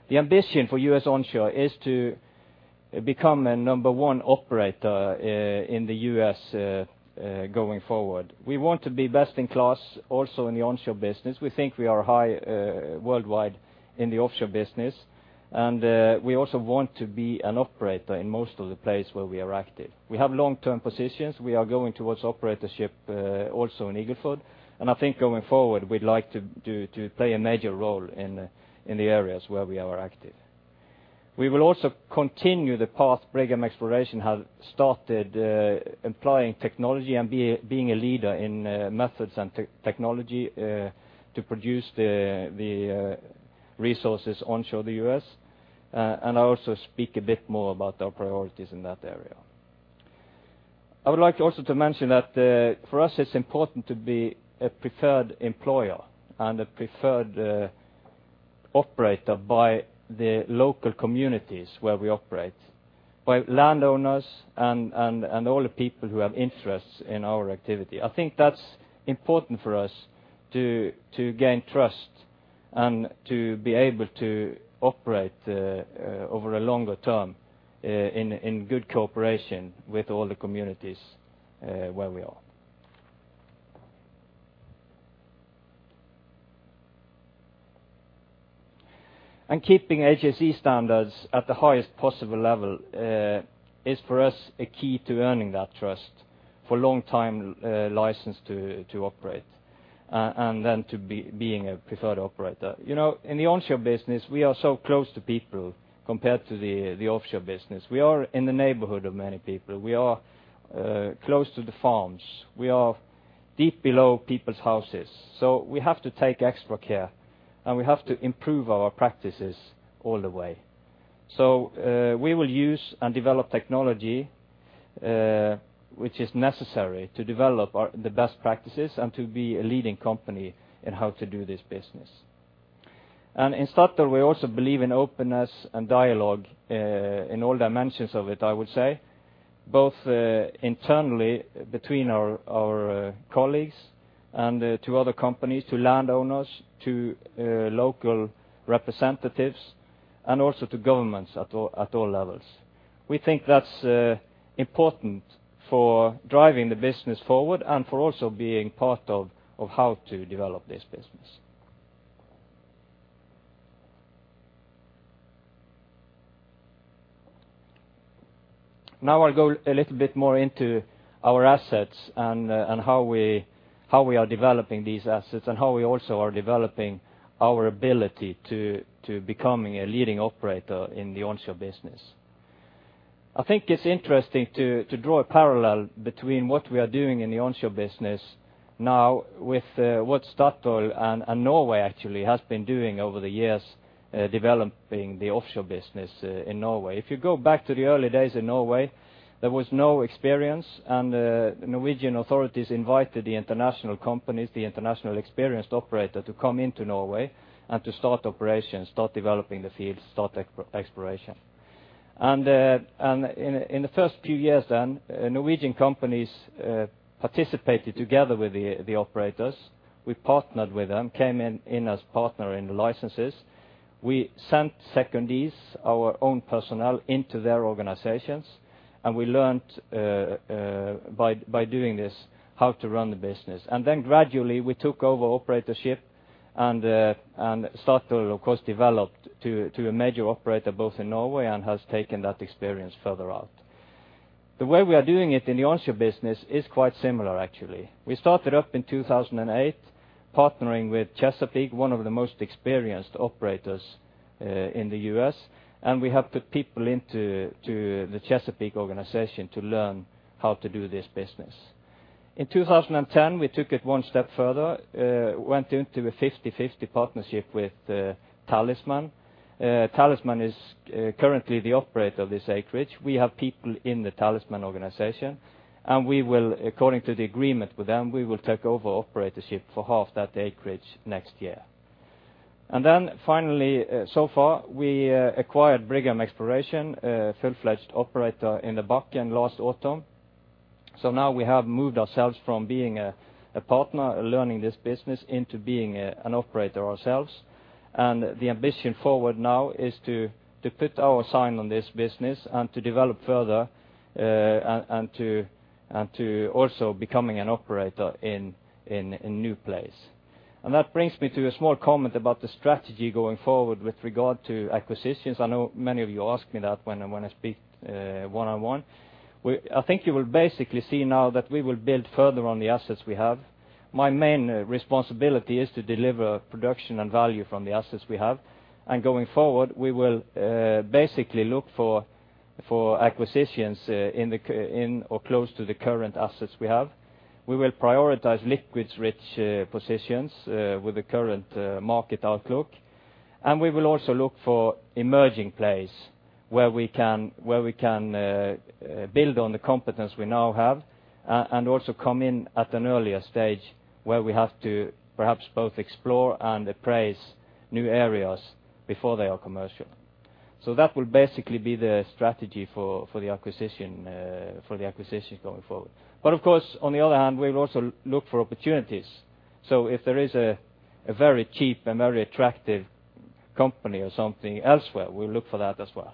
The ambition for US Onshore is to become a number one operator in the US going forward. We want to be best in class also in the onshore business. We think we are high worldwide in the offshore business. We also want to be an operator in most of the place where we are active. We have long-term positions. We are going towards operatorship also in Eagle Ford. I think going forward, we'd like to do to play a major role in the areas where we are active. We will also continue the path Brigham Exploration have started, employing technology and being a leader in methods and technology to produce the resources onshore the U.S. I also speak a bit more about our priorities in that area. I would like also to mention that for us it's important to be a preferred employer and a preferred operator by the local communities where we operate, by landowners and all the people who have interests in our activity. I think that's important for us to gain trust and to be able to operate over a longer term in good cooperation with all the communities where we are. Keeping HSE standards at the highest possible level is for us a key to earning that trust for long time, license to operate, and then to being a preferred operator. You know, in the onshore business, we are so close to people compared to the offshore business. We are in the neighborhood of many people. We are close to the farms. We are deep below people's houses. We have to take extra care, and we have to improve our practices all the way. We will use and develop technology, which is necessary to develop our, the best practices and to be a leading company in how to do this business. In Statoil, we also believe in openness and dialogue in all dimensions of it, I would say, both internally between our colleagues and to other companies, to landowners, to local representatives, and also to governments at all levels. We think that's important for driving the business forward and for also being part of how to develop this business. Now I'll go a little bit more into our assets and how we are developing these assets and how we also are developing our ability to becoming a leading operator in the onshore business. I think it's interesting to draw a parallel between what we are doing in the onshore business now with what Statoil and Norway actually has been doing over the years developing the offshore business in Norway. If you go back to the early days in Norway, there was no experience, and Norwegian authorities invited the international companies, the international experienced operator, to come into Norway and to start operations, start developing the fields, start exploration. In the first few years then, Norwegian companies participated together with the operators. We partnered with them, came in as partner in the licenses. We sent secondees, our own personnel, into their organizations, and we learned by doing this how to run the business. Then gradually we took over operatorship and Statoil of course developed to a major operator both in Norway and has taken that experience further out. The way we are doing it in the onshore business is quite similar actually. We started up in 2008 partnering with Chesapeake, one of the most experienced operators in the US. We have put people into the Chesapeake organization to learn how to do this business. In 2010, we took it one step further, went into a 50/50 partnership with Talisman. Talisman is currently the operator of this acreage. We have people in the Talisman organization, and we will, according to the agreement with them, take over operatorship for half that acreage next year. Finally, so far, we acquired Brigham Exploration, a full-fledged operator in the Bakken last autumn. Now we have moved ourselves from being a partner learning this business into being an operator ourselves. The ambition forward now is to put our sign on this business and to develop further, and to also becoming an operator in new place. That brings me to a small comment about the strategy going forward with regard to acquisitions. I know many of you ask me that when I speak one-on-one. I think you will basically see now that we will build further on the assets we have. My main responsibility is to deliver production and value from the assets we have. Going forward, we will basically look for acquisitions in or close to the current assets we have. We will prioritize liquids-rich positions with the current market outlook. We will also look for emerging plays where we can build on the competence we now have, and also come in at an earlier stage where we have to perhaps both explore and appraise new areas before they are commercial. That will basically be the strategy for the acquisition going forward. Of course, on the other hand, we will also look for opportunities. If there is a very cheap and very attractive company or something elsewhere, we'll look for that as well.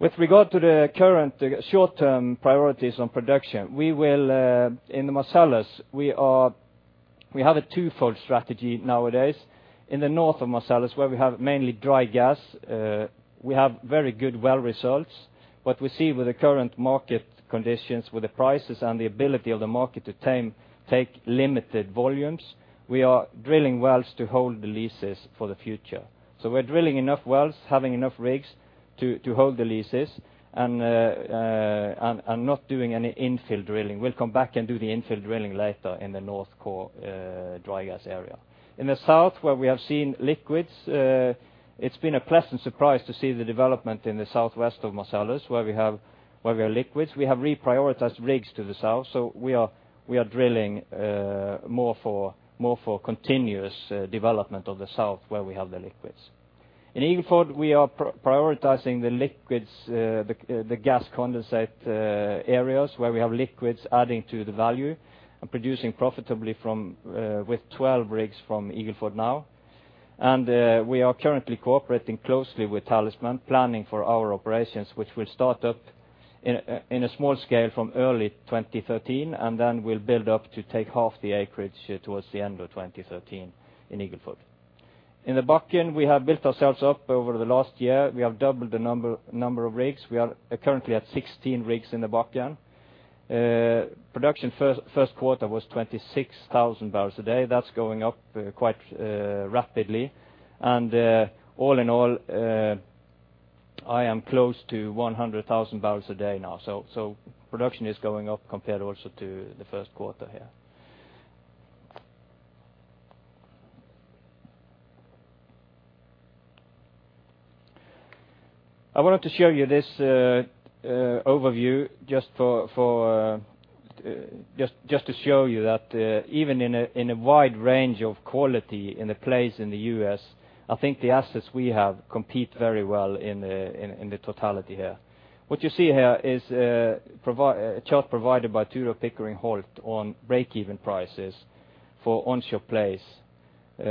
With regard to the current short-term priorities on production, we will in the Marcellus we have a twofold strategy nowadays. In the north of Marcellus, where we have mainly dry gas, we have very good well results. What we see with the current market conditions, with the prices and the ability of the market to take limited volumes, we are drilling wells to hold the leases for the future. We're drilling enough wells, having enough rigs to hold the leases and not doing any infill drilling. We'll come back and do the infill drilling later in the north core, dry gas area. In the south, where we have seen liquids, it's been a pleasant surprise to see the development in the southwest of Marcellus, where we have liquids. We have reprioritized rigs to the south, so we are drilling more for continuous development of the south, where we have the liquids. In Eagle Ford, we are prioritizing the liquids, the gas condensate areas where we have liquids adding to the value and producing profitably from with 12 rigs from Eagle Ford now. We are currently cooperating closely with Talisman, planning for our operations, which will start up in a small scale from early 2013, and then we'll build up to take half the acreage towards the end of 2013 in Eagle Ford. In the Bakken, we have built ourselves up over the last year. We have doubled the number of rigs. We are currently at 16 rigs in the Bakken. Production first quarter was 26,000 barrels a day. That's going up quite rapidly. All in all, I am close to 100,000 barrels a day now. Production is going up compared also to the first quarter here. I wanted to show you this overview just for just to show you that even in a wide range of quality in the plays in the US, I think the assets we have compete very well in the totality here. What you see here is a chart provided by Tudor, Pickering, Holt on break-even prices for onshore plays.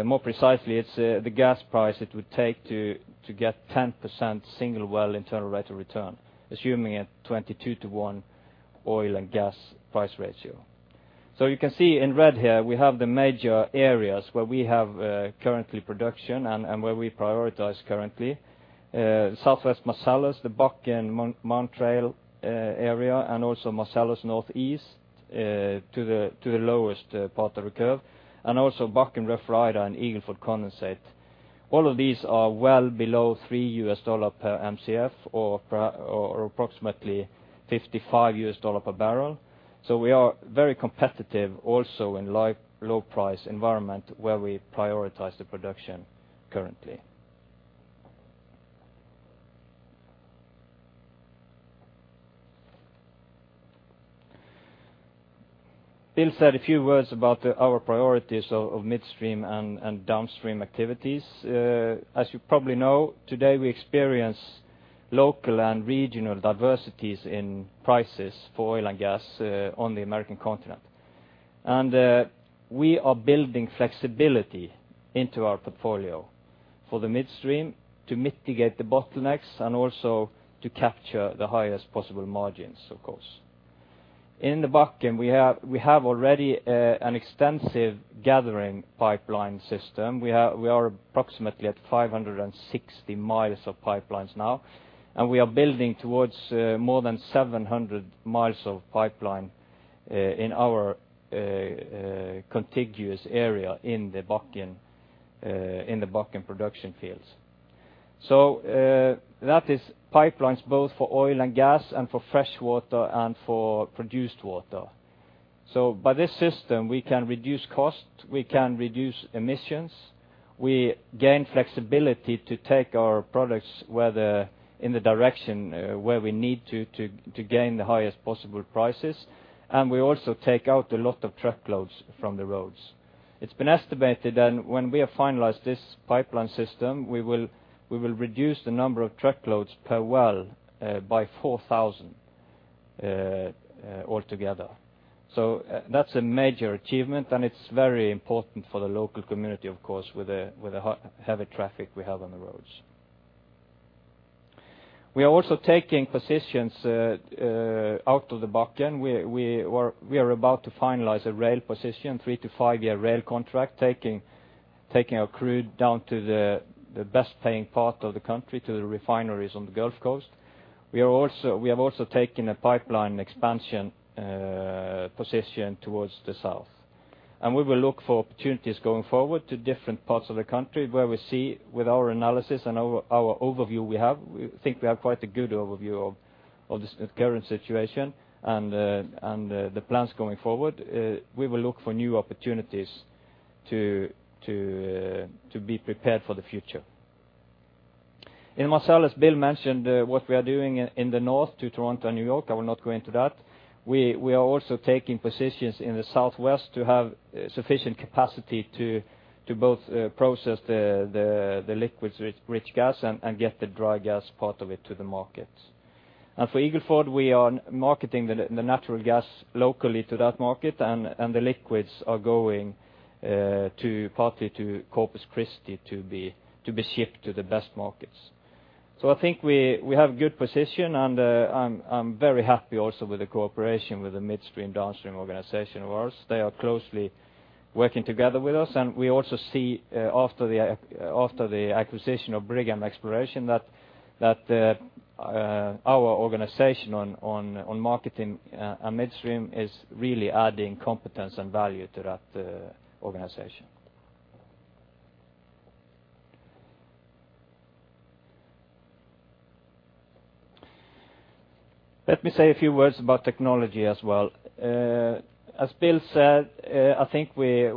More precisely, it's the gas price it would take to get 10% single well internal rate of return, assuming a 22-to-1 oil and gas price ratio. You can see in red here, we have the major areas where we have current production and where we prioritize currently. Southwest Marcellus, the Bakken Mountrail area, and also Marcellus Northeast to the lowest part of the curve, and also Bakken Rough Rider and Eagle Ford Condensate. All of these are well below $3 per Mcf or approximately $55 per barrel. We are very competitive also in low price environment where we prioritize the production currently. Bill said a few words about our priorities of midstream and downstream activities. As you probably know, today we experience local and regional diversities in prices for oil and gas on the American continent. We are building flexibility into our portfolio for the midstream to mitigate the bottlenecks and also to capture the highest possible margins, of course. In the Bakken, we have already an extensive gathering pipeline system. We are approximately at 560 miles of pipelines now, and we are building towards more than 700 miles of pipeline in our contiguous area in the Bakken production fields. That is pipelines both for oil and gas and for fresh water and for produced water. By this system, we can reduce costs, we can reduce emissions, we gain flexibility to take our products in the direction where we need to to gain the highest possible prices. We also take out a lot of truckloads from the roads. It's been estimated that when we have finalized this pipeline system, we will reduce the number of truckloads per well by 4,000 altogether. That's a major achievement, and it's very important for the local community, of course, with the heavy traffic we have on the roads. We are also taking positions out of the Bakken. We are about to finalize a rail position, 3- to 5-year rail contract, taking our crude down to the best paying part of the country, to the refineries on the Gulf Coast. We have also taken a pipeline expansion position towards the south. We will look for opportunities going forward to different parts of the country where we see with our analysis and our overview we have. We think we have quite a good overview of the current situation and the plans going forward. We will look for new opportunities to be prepared for the future. In Marcellus, Bill mentioned what we are doing in the northeast to Toronto and New York. I will not go into that. We are also taking positions in the Southwest to have sufficient capacity to both process the liquids-rich gas and get the dry gas part of it to the markets. For Eagle Ford, we are marketing the natural gas locally to that market, and the liquids are going partly to Corpus Christi to be shipped to the best markets. I think we have good position, and I'm very happy also with the cooperation with the midstream, downstream organization of ours. They are closely working together with us. We also see, after the acquisition of Brigham Exploration, that our organization on marketing midstream is really adding competence and value to that organization. Let me say a few words about technology as well. As Bill said, I think we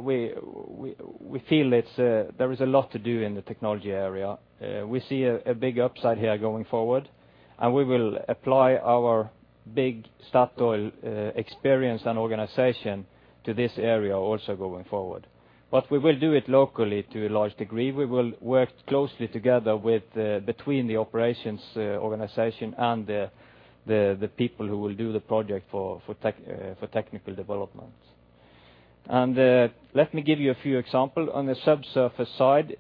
feel it's there is a lot to do in the technology area. We see a big upside here going forward, and we will apply our big Statoil experience and organization to this area also going forward. But we will do it locally to a large degree. We will work closely together with between the operations organization and the people who will do the project for technical development. Let me give you a few example. On the subsurface side,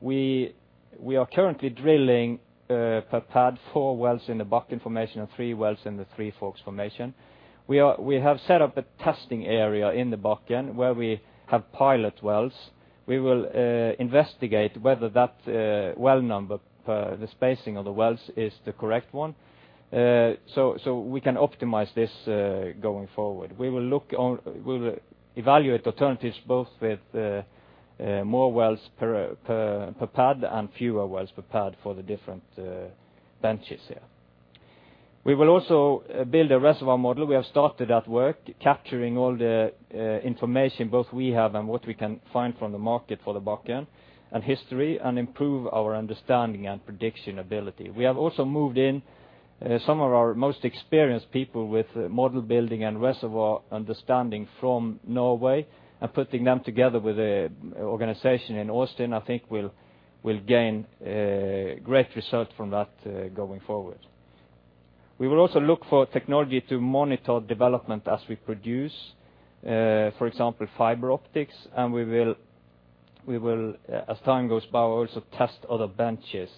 we are currently drilling per pad 4 wells in the Bakken Formation and 3 wells in the Three Forks Formation. We have set up a testing area in the Bakken where we have pilot wells. We will investigate whether that well number, the spacing of the wells, is the correct one. So we can optimize this going forward. We will evaluate alternatives both with more wells per pad and fewer wells per pad for the different benches here. We will also build a reservoir model. We have started that work, capturing all the information, both we have and what we can find from the market for the Bakken and history, and improve our understanding and prediction ability. We have also moved in some of our most experienced people with model building and reservoir understanding from Norway and putting them together with the organization in Austin. I think will gain great result from that going forward. We will also look for technology to monitor development as we produce, for example, fiber optics. We will, as time goes by, also test other benches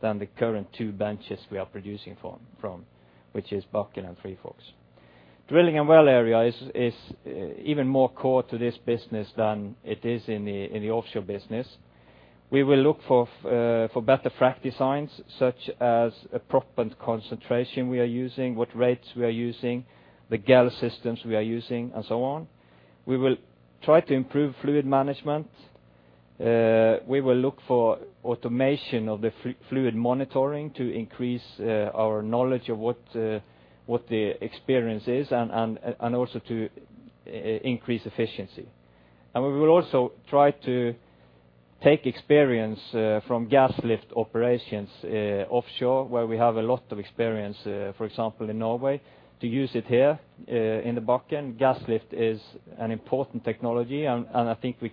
than the current two benches we are producing from, which is Bakken and Three Forks. Drilling and well area is even more core to this business than it is in the offshore business. We will look for better frac designs, such as a proppant concentration we are using, what rates we are using, the gel systems we are using, and so on. We will try to improve fluid management. We will look for automation of the fluid monitoring to increase our knowledge of what the experience is and also to increase efficiency. We will also try to take experience from gas lift operations offshore, where we have a lot of experience, for example, in Norway, to use it here in the Bakken. Gas lift is an important technology, and I think we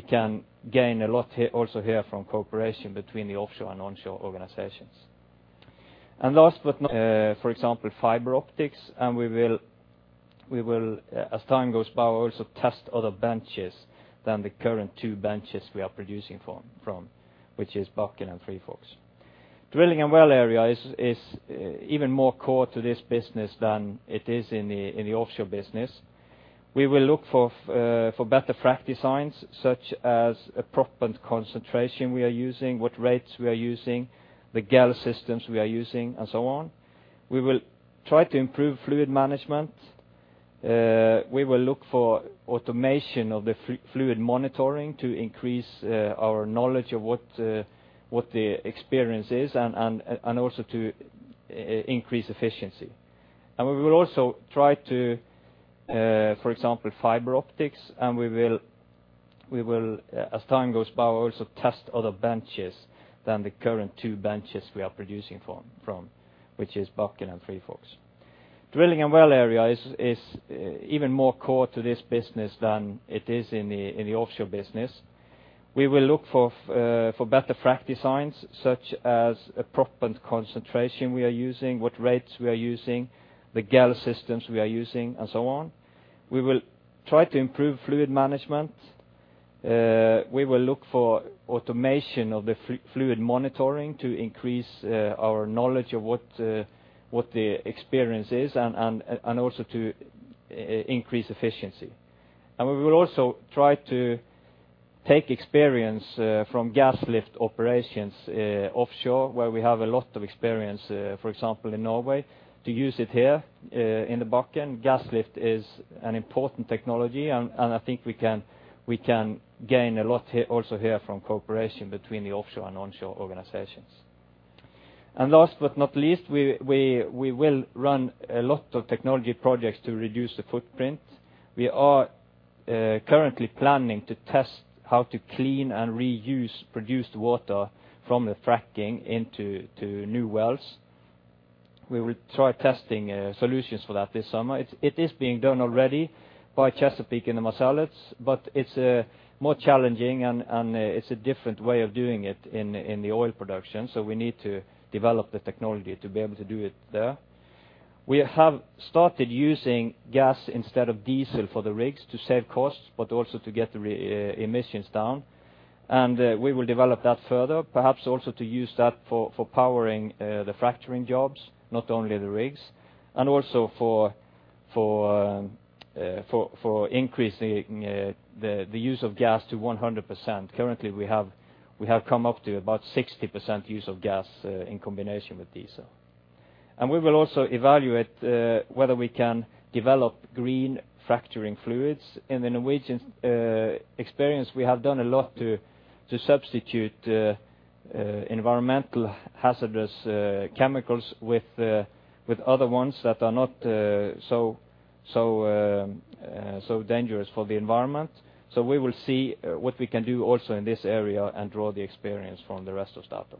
can gain a lot here, also here from cooperation between the offshore and onshore organizations. Last but not least, for example, fiber optics. We will, as time goes by, we'll also test other benches than the current two benches we are producing from, which is Bakken and Three Forks. Drilling and well area is even more core to this business than it is in the offshore business. We will look for better frac designs, such as a proppant concentration we are using, what rates we are using, the gel systems we are using, and so on. We will try to improve fluid management. We will look for automation of the fluid monitoring to increase our knowledge of what the experience is and also to increase efficiency. We will also try to, for example, fiber optics, and we will, as time goes by, we'll also test other benches than the current two benches we are producing from, which is Bakken and Three Forks. Drilling and well area is even more core to this business than it is in the offshore business. We will look for better frac designs, such as a proppant concentration we are using, what rates we are using, the gel systems we are using, and so on. We will try to improve fluid management. We will look for automation of the fluid monitoring to increase our knowledge of what the experience is and also to increase efficiency. We will also try to take experience from gas lift operations offshore, where we have a lot of experience, for example, in Norway, to use it here in the Bakken. Gas lift is an important technology. I think we can gain a lot here, also here from cooperation between the offshore and onshore organizations. Last but not least, we will run a lot of technology projects to reduce the footprint. We are currently planning to test how to clean and reuse produced water from the fracking into new wells. We will try testing solutions for that this summer. It is being done already by Chesapeake in the Marcellus, but it's more challenging and it's a different way of doing it in the oil production, so we need to develop the technology to be able to do it there. We have started using gas instead of diesel for the rigs to save costs, but also to get the emissions down. We will develop that further, perhaps also to use that for powering the fracturing jobs, not only the rigs, and also for increasing the use of gas to 100%. Currently, we have come up to about 60% use of gas in combination with diesel. We will also evaluate whether we can develop green fracturing fluids. In the Norwegian experience, we have done a lot to substitute environmental hazardous chemicals with other ones that are not so dangerous for the environment. We will see what we can do also in this area and draw the experience from the rest of Statoil.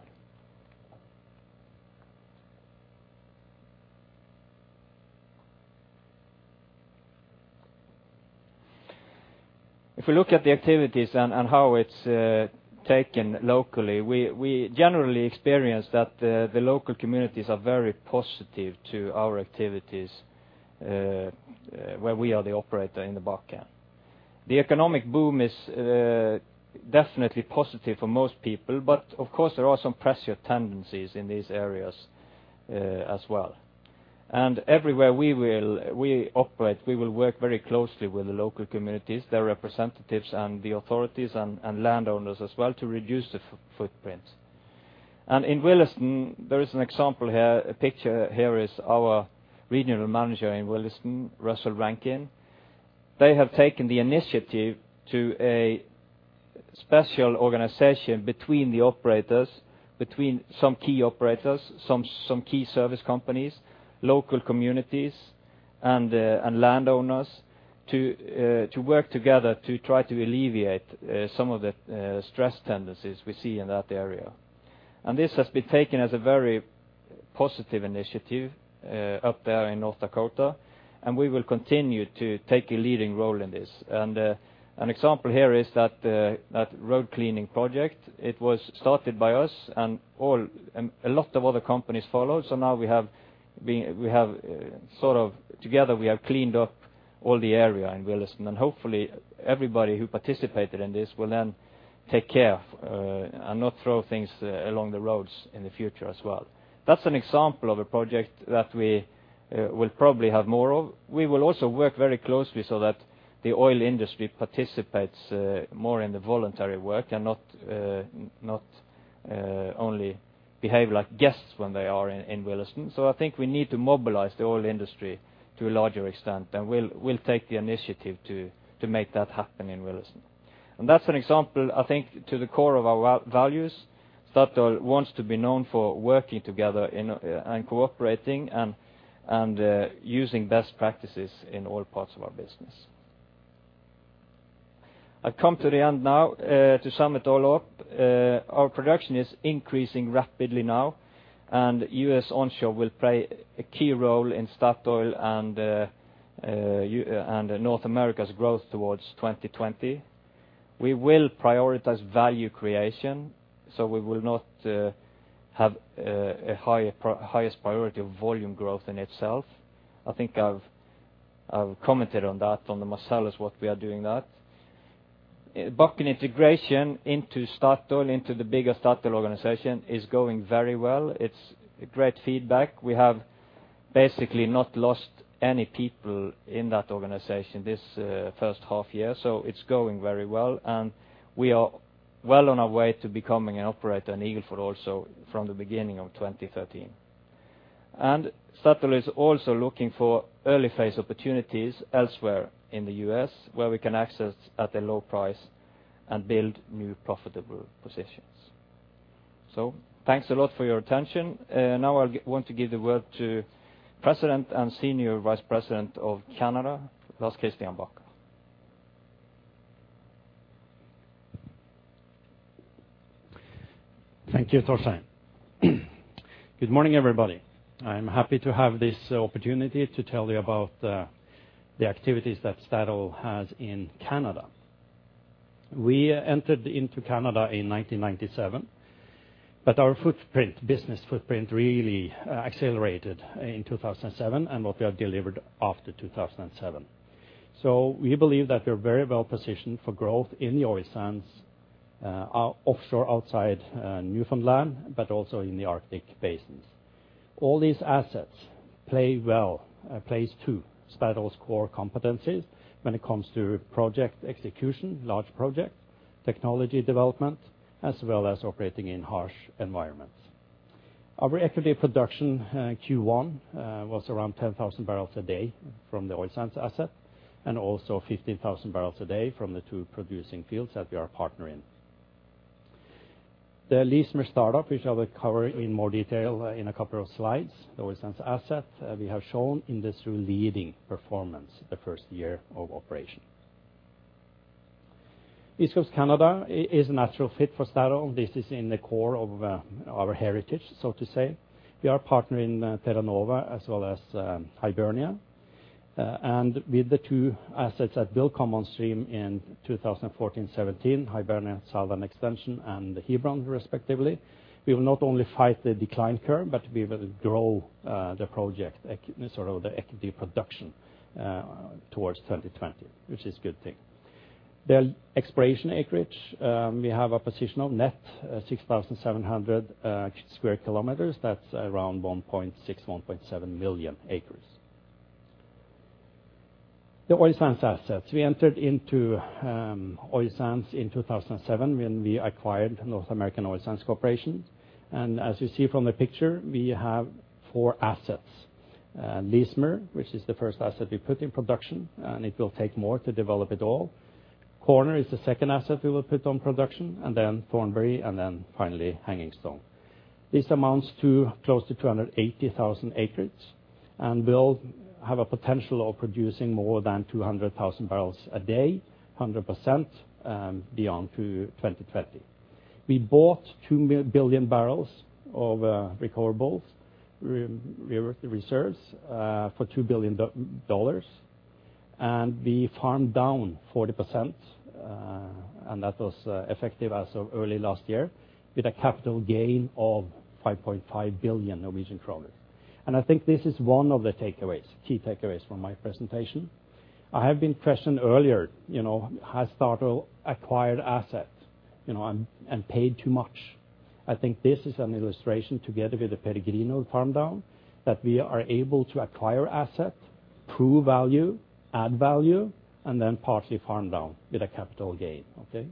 If we look at the activities and how it's taken locally, we generally experience that the local communities are very positive to our activities where we are the operator in the Bakken. The economic boom is definitely positive for most people, but of course, there are some pressure tendencies in these areas as well. Everywhere we operate, we will work very closely with the local communities, their representatives, and the authorities, and landowners as well to reduce the footprint. In Williston, there is an example here, a picture here is our regional manager in Williston, Russell Rankin. They have taken the initiative to a special organization between the operators, some key operators, some key service companies, local communities, and landowners to work together to try to alleviate some of the stresses and tensions we see in that area. This has been taken as a very positive initiative up there in North Dakota, and we will continue to take a leading role in this. An example here is that road cleaning project, it was started by us and now a lot of other companies followed. Now we have sort of together cleaned up all the area in Williston. Hopefully, everybody who participated in this will then take care and not throw things along the roads in the future as well. That's an example of a project that we will probably have more of. We will also work very closely so that the oil industry participates more in the voluntary work and not only behave like guests when they are in Williston. I think we need to mobilize the oil industry to a larger extent, and we'll take the initiative to make that happen in Williston. That's an example, I think, to the core of our values. Statoil wants to be known for working together and cooperating and using best practices in all parts of our business. I come to the end now to sum it all up. Our production is increasing rapidly now, and US onshore will play a key role in Statoil and US and North America's growth towards 2020. We will prioritize value creation, so we will not have highest priority of volume growth in itself. I think I've commented on that on the Marcellus, what we are doing that. Bakken integration into the bigger Statoil organization is going very well. It's great feedback. We have basically not lost any people in that organization this first half year, so it's going very well. We are well on our way to becoming an operator in Eagle Ford also from the beginning of 2013. Statoil is also looking for early phase opportunities elsewhere in the U.S. where we can access at a low price and build new profitable positions. Thanks a lot for your attention. Now I want to give the word to President and Senior Vice President of Canada, Lars Christian Bacher. Thank you, Torstein. Good morning, everybody. I'm happy to have this opportunity to tell you about the activities that Statoil has in Canada. We entered into Canada in 1997, but our footprint, business footprint, really accelerated in 2007 and what we have delivered after 2007. We believe that we're very well positioned for growth in the oil sands, offshore outside Newfoundland, but also in the Arctic basins. All these assets play well to Statoil's core competencies when it comes to project execution, large projects, technology development, as well as operating in harsh environments. Our equity production in Q1 was around 10,000 barrels a day from the oil sands asset and also 15,000 barrels a day from the two producing fields that we are a partner in. The Leismer startup, which I will cover in more detail in a couple of slides, the oil sands asset, we have shown industry-leading performance the first year of operation. East Coast Canada is a natural fit for Statoil. This is in the core of, our heritage, so to say. We are partnering Terra Nova as well as, Hibernia. With the two assets that will come on stream in 2014, 2017, Hibernia Southern Extension and Hebron respectively, we will not only fight the decline curve, but we will grow, the project, sort of the equity production, towards 2020, which is a good thing. The exploration acreage, we have a position of net, 6,700, square kilometers. That's around 1.6-1.7 million acres. The oil sands assets. We entered into oil sands in 2007 when we acquired North American Oil Sands Corporation. As you see from the picture, we have four assets. Leismer, which is the first asset we put in production, and it will take more to develop it all. Corner is the second asset we will put on production, and then Thornbury, and then finally Hangingstone. This amounts to close to 280,000 acres and will have a potential of producing more than 200,000 barrels a day, 100% beyond 2030. We bought 2 billion barrels of recoverable reserves for $2 billion, and we farmed down 40%, and that was effective as of early last year with a capital gain of 5.5 billion Norwegian kroner. I think this is one of the takeaways, key takeaways from my presentation. I have been questioned earlier, you know, has Statoil acquired assets, you know, and paid too much. I think this is an illustration together with the Peregrino farm down that we are able to acquire asset, prove value, add value, and then partly farm down with a capital gain, okay.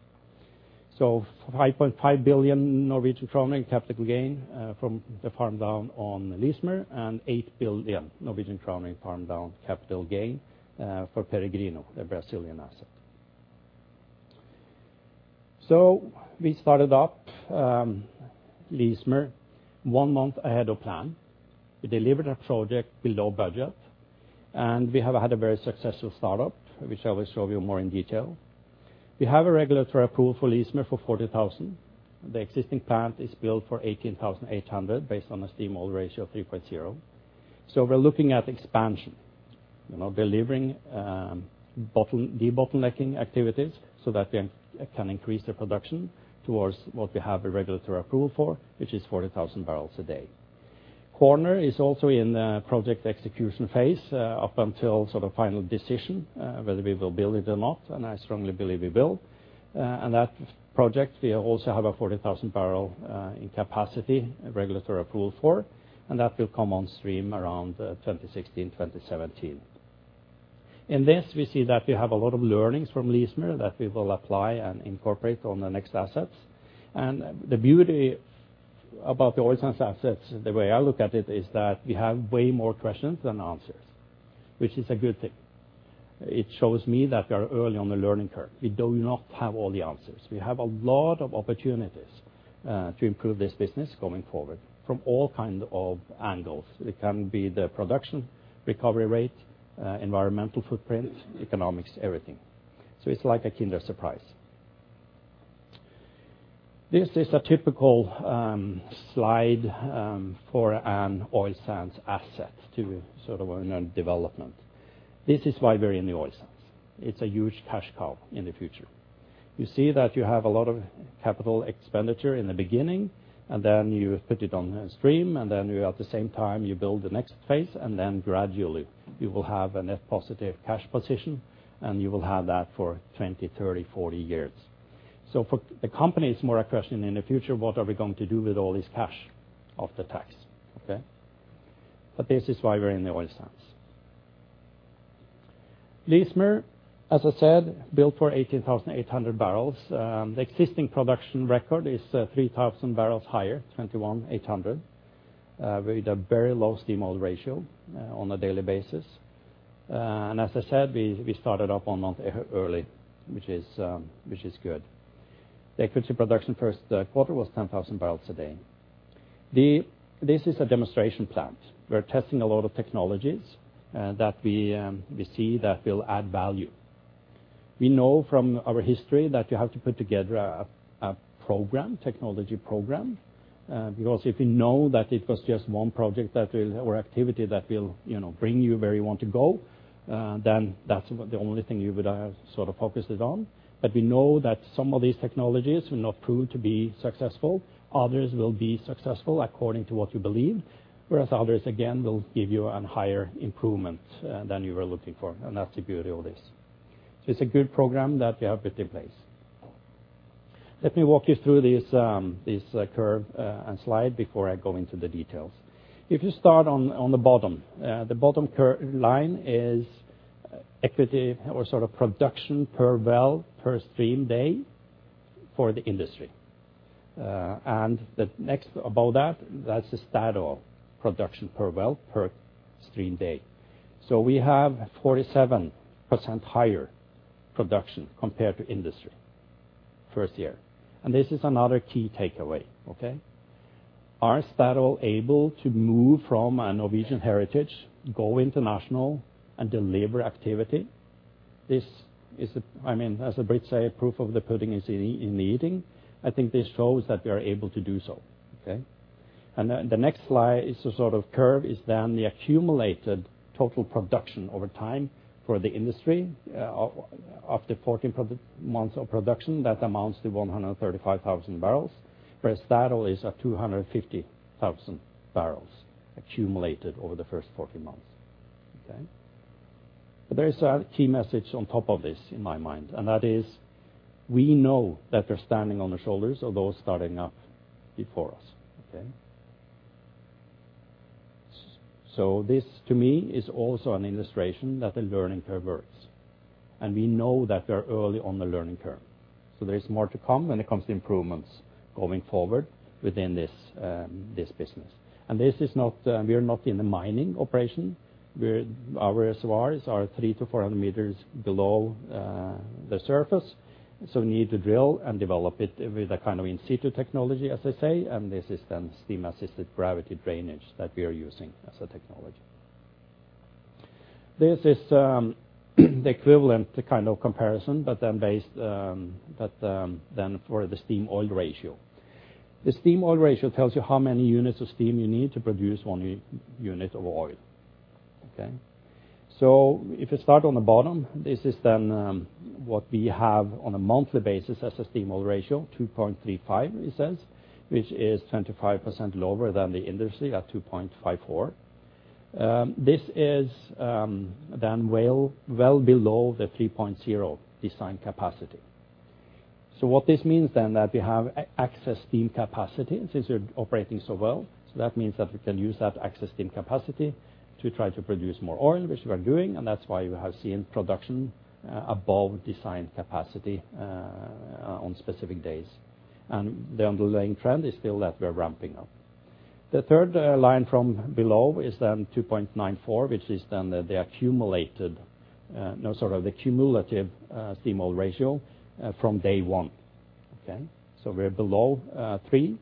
5.5 billion Norwegian kroner in capital gain from the farm down on Leismer and 8 billion Norwegian kroner in farm down capital gain for Peregrino, the Brazilian asset. We started up Leismer one month ahead of plan. We delivered a project below budget, and we have had a very successful startup, which I will show you more in detail. We have regulatory approval for Leismer for 40,000. The existing plant is built for 18,800 based on a steam-oil ratio of 3.0. We're looking at expansion, you know, delivering debottlenecking activities so that we can increase the production towards what we have the regulatory approval for, which is 40,000 barrels a day. Corner is also in the project execution phase up until sort of final decision whether we will build it or not, and I strongly believe we will. That project we also have a 40,000-barrel capacity regulatory approval for, and that will come on stream around 2016-2017. In this, we see that we have a lot of learnings from Leismer that we will apply and incorporate on the next assets. The beauty about the oil sands assets, the way I look at it, is that we have way more questions than answers, which is a good thing. It shows me that we are early on the learning curve. We do not have all the answers. We have a lot of opportunities to improve this business going forward from all kind of angles. It can be the production recovery rate, environmental footprint, economics, everything. It's like a Kinder Surprise. This is a typical slide for an oil sands asset to sort of development. This is why we're in the oil sands. It's a huge cash cow in the future. You see that you have a lot of capital expenditure in the beginning, and then you put it on the stream, and then you at the same time you build the next phase, and then gradually you will have a net positive cash position, and you will have that for 20, 30, 40 years. For the company, it's more a question in the future, what are we going to do with all this cash after tax, okay? This is why we're in the oil sands. Leismer, as I said, built for 18,800 barrels. The existing production record is 3,000 barrels higher, 21,800, with a very low steam-oil ratio on a daily basis. As I said, we started up one month early, which is good. The equity production first quarter was 10,000 barrels a day. This is a demonstration plant. We are testing a lot of technologies that we see that will add value. We know from our history that you have to put together a technology program because if you know that it was just one project that will, you know, bring you where you want to go, then that's the only thing you would have sort of focused it on. We know that some of these technologies will not prove to be successful. Others will be successful according to what you believe, whereas others, again, will give you a higher improvement than you were looking for, and that's the beauty of this. It's a good program that we have put in place. Let me walk you through this curve and slide before I go into the details. If you start on the bottom, the bottom curve line is Eagle Ford production per well, per stream day for the industry. The next above that's the Statoil production per well, per stream day. We have 47% higher production compared to industry first year. This is another key takeaway, okay? Is Statoil able to move from a Norwegian heritage, go international, and deliver activity? This is, I mean, as the Brits say, proof of the pudding is in the eating. I think this shows that we are able to do so, okay? The next slide is a sort of curve, is then the accumulated total production over time for the industry. After 14 prod-months of production, that amounts to 135,000 barrels, whereas Statoil is at 250,000 barrels accumulated over the first 14 months, okay? There is a key message on top of this in my mind, and that is we know that we're standing on the shoulders of those starting up before us, okay? This, to me, is also an illustration that the learning curve works, and we know that we're early on the learning curve. There is more to come when it comes to improvements going forward within this business. We are not in the mining operation. Our reservoirs are 300-400 meters below the surface. We need to drill and develop it with a kind of in situ technology, as I say, and this is steam-assisted gravity drainage that we are using as a technology. This is the equivalent kind of comparison, but then for the steam-oil ratio. The steam-oil ratio tells you how many units of steam you need to produce one unit of oil, okay? If you start on the bottom, this is what we have on a monthly basis as a steam-oil ratio, 2.35 it says, which is 25% lower than the industry at 2.54. This is well below the 3.0 design capacity. What this means then that we have excess steam capacity since we're operating so well. That means that we can use that excess steam capacity to try to produce more oil, which we are doing, and that's why you have seen production above design capacity on specific days. The underlying trend is still that we are ramping up. The third line from below is then 2.94, which is then the cumulative steam-oil ratio from day one, okay? We're below 3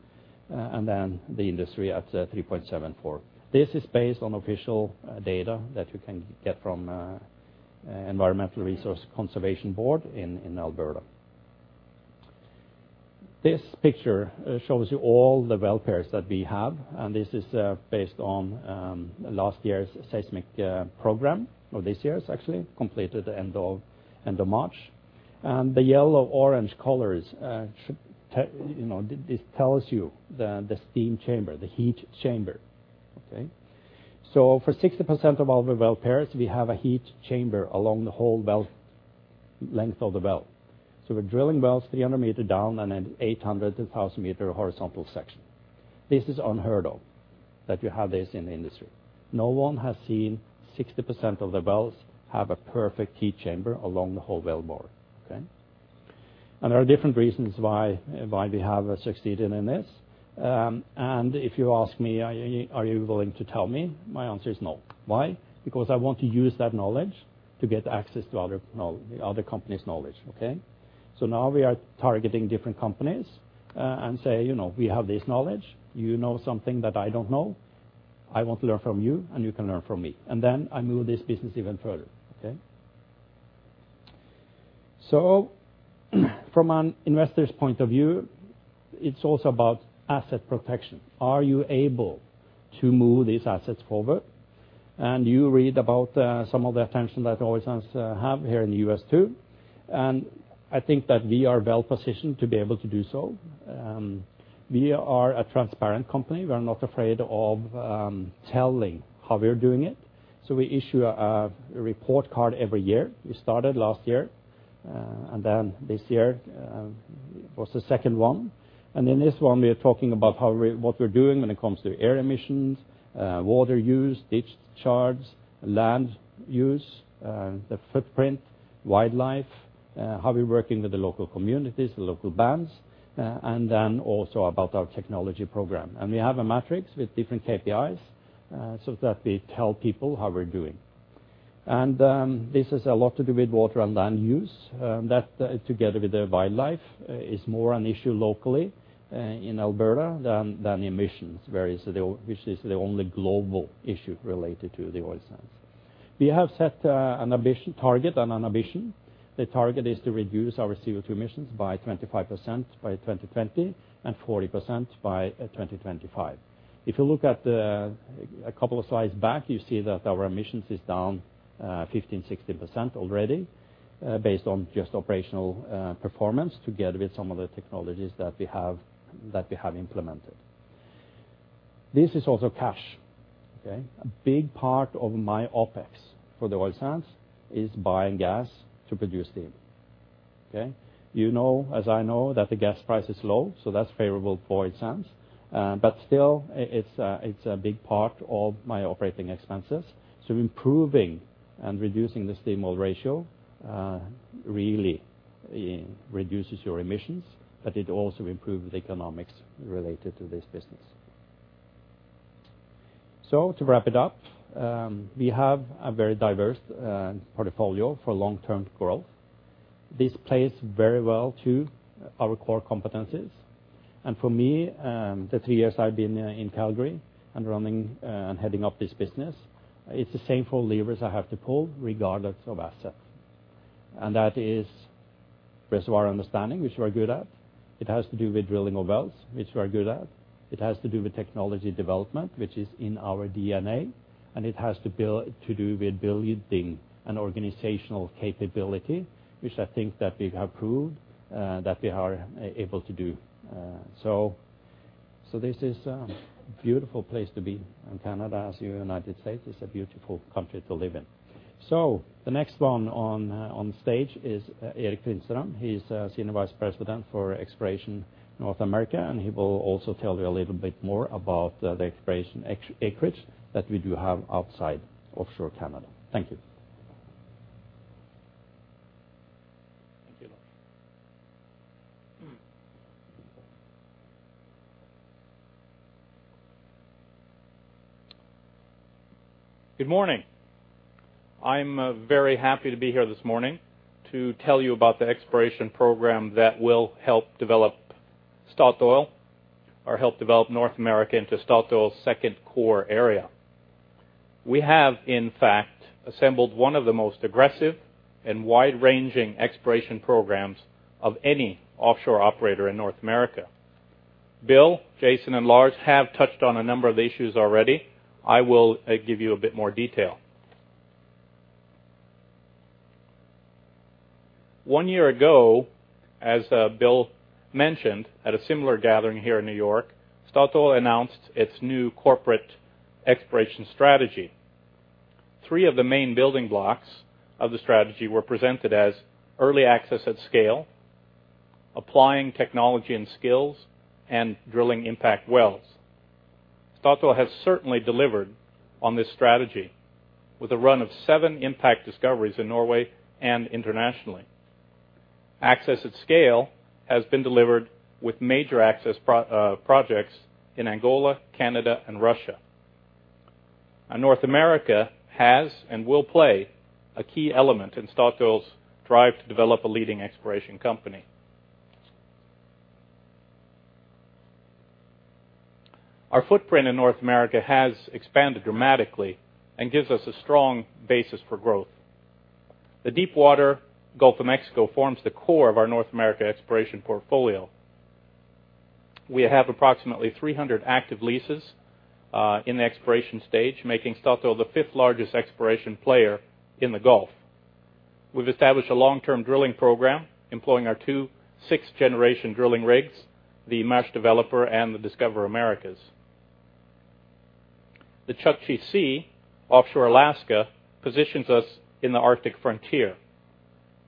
and then the industry at 3.74. This is based on official data that you can get from Energy Resources Conservation Board in Alberta. This picture shows you all the well pairs that we have, and this is based on last year's seismic program, or this year's actually, completed end of March. The yellow-orange colors should tell you know, this tells you the steam chamber, the heat chamber, okay? For 60% of all the well pairs, we have a heat chamber along the whole well length of the well. We're drilling wells 300 meters down and then 800- to 1,000-meter horizontal section. This is unheard of that you have this in the industry. No one has seen 60% of the wells have a perfect heat chamber along the whole well bore, okay? There are different reasons why we have succeeded in this. If you ask me, are you willing to tell me? My answer is no. Why? Because I want to use that knowledge to get access to other company's knowledge, okay? Now we are targeting different companies, and say, you know, we have this knowledge. You know something that I don't know. I want to learn from you, and you can learn from me. I move this business even further, okay? From an investor's point of view, it's also about asset protection. Are you able to move these assets forward? You read about some of the attention that oil sands have here in the U.S. too. I think that we are well positioned to be able to do so. We are a transparent company. We are not afraid of telling how we are doing it. We issue a report card every year. We started last year. This year was the second one. In this one, we are talking about how we what we're doing when it comes to air emissions, water use, discharge, land use, the footprint, wildlife, how we're working with the local communities, the local bands, and then also about our technology program. We have a matrix with different KPIs, so that we tell people how we're doing. This has a lot to do with water and land use, that together with the wildlife is more an issue locally, in Alberta than emissions, whereas the emissions which is the only global issue related to the oil sands. We have set an ambitious target and an ambition. The target is to reduce our CO2 emissions by 25% by 2020 and 40% by 2025. If you look at a couple of slides back, you see that our emissions is down 15%-60% already, based on just operational performance together with some of the technologies that we have implemented. This is also cash. Okay. A big part of my OPEX for the oil sands is buying gas to produce steam. Okay. You know, as you know, that the gas price is low, so that's favorable for oil sands. But still, it's a big part of my operating expenses. Improving and reducing the steam-oil ratio really reduces your emissions, but it also improves the economics related to this business. To wrap it up, we have a very diverse portfolio for long-term growth. This plays very well to our core competencies. For me, the three years I've been in Calgary and running and heading up this business, it's the same four levers I have to pull regardless of assets. That is reservoir understanding, which we're good at. It has to do with drilling of wells, which we're good at. It has to do with technology development, which is in our DNA. It has to do with building an organizational capability, which I think that we have proved that we are able to do. So this is a beautiful place to be in Canada, as United States is a beautiful country to live in. The next one on stage is Erik Finnstrom. He's Senior Vice President for Exploration North America, and he will also tell you a little bit more about the exploration acreage that we do have outside offshore Canada. Thank you. Thank you, Lars. Good morning. I'm very happy to be here this morning to tell you about the exploration program that will help develop Statoil or help develop North America into Statoil's second core area. We have, in fact, assembled one of the most aggressive and wide-ranging exploration programs of any offshore operator in North America. Bill, Jason, and Lars have touched on a number of issues already. I will give you a bit more detail. One year ago, as Bill mentioned, at a similar gathering here in New York, Statoil announced its new corporate exploration strategy. Three of the main building blocks of the strategy were presented as early access at scale, applying technology and skills, and drilling impact wells. Statoil has certainly delivered on this strategy with a run of seven impact discoveries in Norway and internationally. Access at scale has been delivered with major access projects in Angola, Canada, and Russia. North America has and will play a key element in Statoil's drive to develop a leading exploration company. Our footprint in North America has expanded dramatically and gives us a strong basis for growth. The deepwater Gulf of Mexico forms the core of our North America exploration portfolio. We have approximately 300 active leases in the exploration stage, making Statoil the fifth-largest exploration player in the Gulf. We've established a long-term drilling program employing our 2 sixth-generation drilling rigs, the Maersk Developer and the Discoverer Americas. The Chukchi Sea, offshore Alaska, positions us in the Arctic frontier.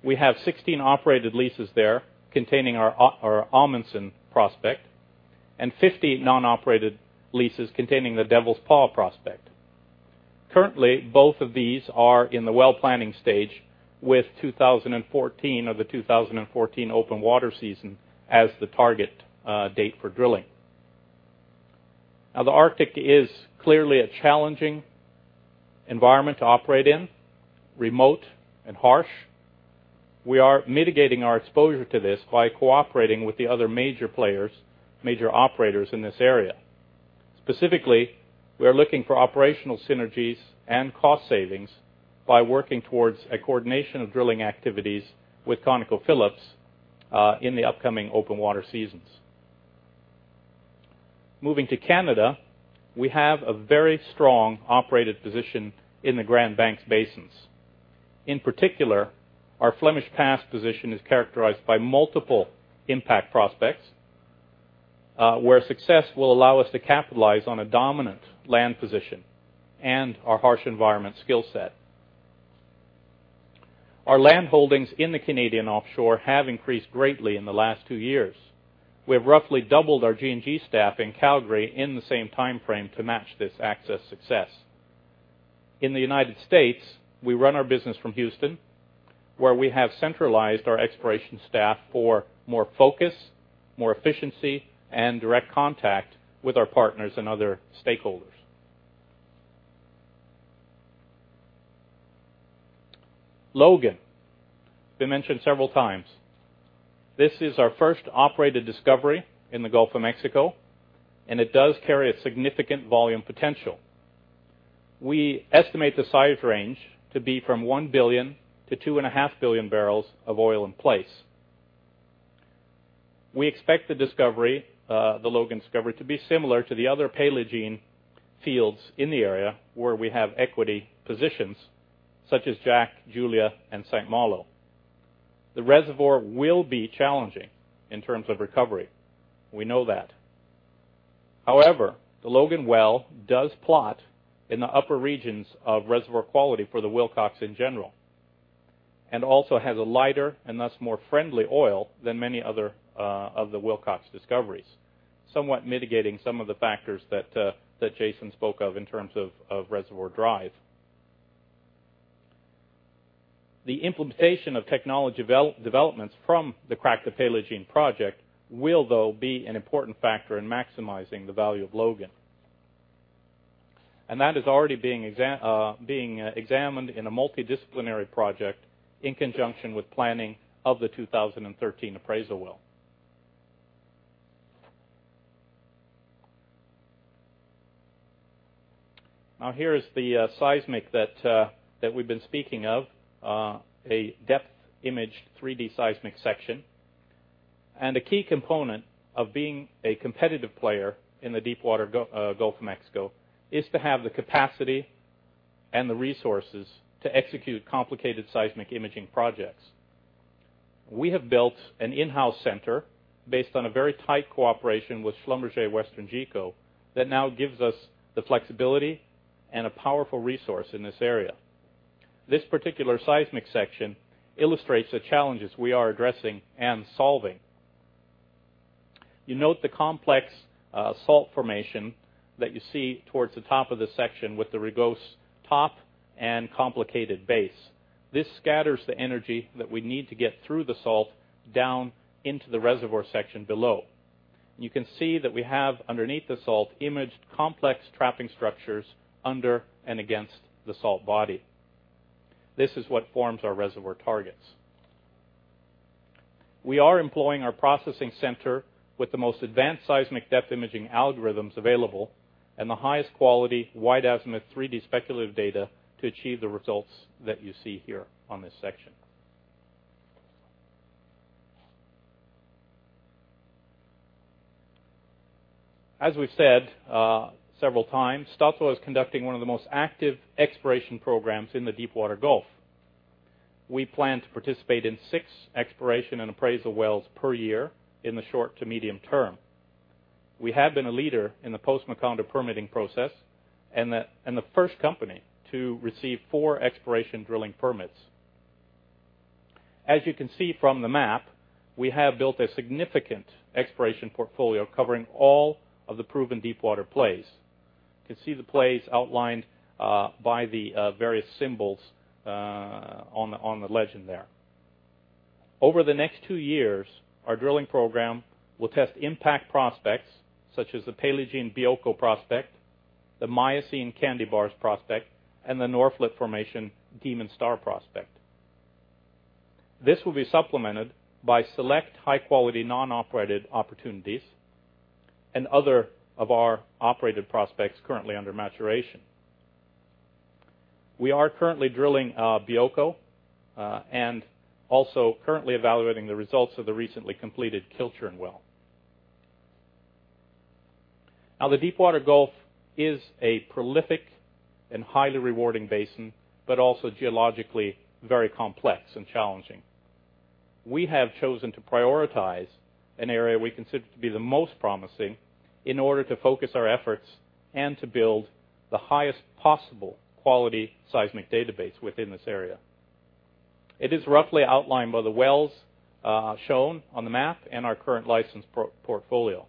We have 16 operated leases there containing our Amundsen prospect and 15 non-operated leases containing the Devil's Paw prospect. Currently, both of these are in the well-planning stage with 2014, the 2014 open water season as the target date for drilling. Now, the Arctic is clearly a challenging environment to operate in, remote and harsh. We are mitigating our exposure to this by cooperating with the other major players, major operators in this area. Specifically, we are looking for operational synergies and cost savings by working towards a coordination of drilling activities with ConocoPhillips in the upcoming open water seasons. Moving to Canada, we have a very strong operated position in the Grand Banks basins. In particular, our Flemish Pass position is characterized by multiple impact prospects, where success will allow us to capitalize on a dominant land position and our harsh environment skill set. Our land holdings in the Canadian offshore have increased greatly in the last two years. We have roughly doubled our G&G staff in Calgary in the same time frame to match this asset success. In the United States, we run our business from Houston, where we have centralized our exploration staff for more focus, more efficiency, and direct contact with our partners and other stakeholders. Logan has been mentioned several times. This is our first operated discovery in the Gulf of Mexico, and it does carry a significant volume potential. We estimate the size range to be from 1 billion to 2.5 billion barrels of oil in place. We expect the discovery, the Logan discovery to be similar to the other Paleogene fields in the area where we have equity positions such as Jack, Julia, and St. Malo. The reservoir will be challenging in terms of recovery. We know that. However, the Logan well does plot in the upper regions of reservoir quality for the Wilcox in general, and also has a lighter and thus more friendly oil than many other of the Wilcox discoveries, somewhat mitigating some of the factors that Jason spoke of in terms of reservoir drive. The implementation of technology developments from the Crack the Paleogene project will, though, be an important factor in maximizing the value of Logan. That is already being examined in a multidisciplinary project in conjunction with planning of the 2013 appraisal well. Now, here is the seismic that we've been speaking of, a depth image 3D seismic section. A key component of being a competitive player in the deepwater Gulf of Mexico is to have the capacity and the resources to execute complicated seismic imaging projects. We have built an in-house center based on a very tight cooperation with Schlumberger WesternGeco that now gives us the flexibility and a powerful resource in this area. This particular seismic section illustrates the challenges we are addressing and solving. You note the complex salt formation that you see towards the top of the section with the rugose top and complicated base. This scatters the energy that we need to get through the salt down into the reservoir section below. You can see that we have, underneath the salt, imaged complex trapping structures under and against the salt body. This is what forms our reservoir targets. We are employing our processing center with the most advanced seismic depth imaging algorithms available and the highest quality wide-azimuth 3D speculative data to achieve the results that you see here on this section. As we've said, several times, Statoil is conducting one of the most active exploration programs in the deepwater Gulf. We plan to participate in 6 exploration and appraisal wells per year in the short to medium term. We have been a leader in the post-Macondo permitting process and the first company to receive 4 exploration drilling permits. As you can see from the map, we have built a significant exploration portfolio covering all of the proven deepwater plays. You can see the plays outlined by the various symbols on the legend there. Over the next two years, our drilling program will test impact prospects such as the Paleogene Bioko prospect, the Miocene Candy Bars prospect, and the Norphlet Formation Demon Star prospect. This will be supplemented by select high-quality non-operated opportunities and other of our operated prospects currently under maturation. We are currently drilling Bioko and also currently evaluating the results of the recently completed Kilchoman well. Now the deepwater Gulf is a prolific and highly rewarding basin, but also geologically very complex and challenging. We have chosen to prioritize an area we consider to be the most promising in order to focus our efforts and to build the highest possible quality seismic database within this area. It is roughly outlined by the wells shown on the map and our current license portfolio.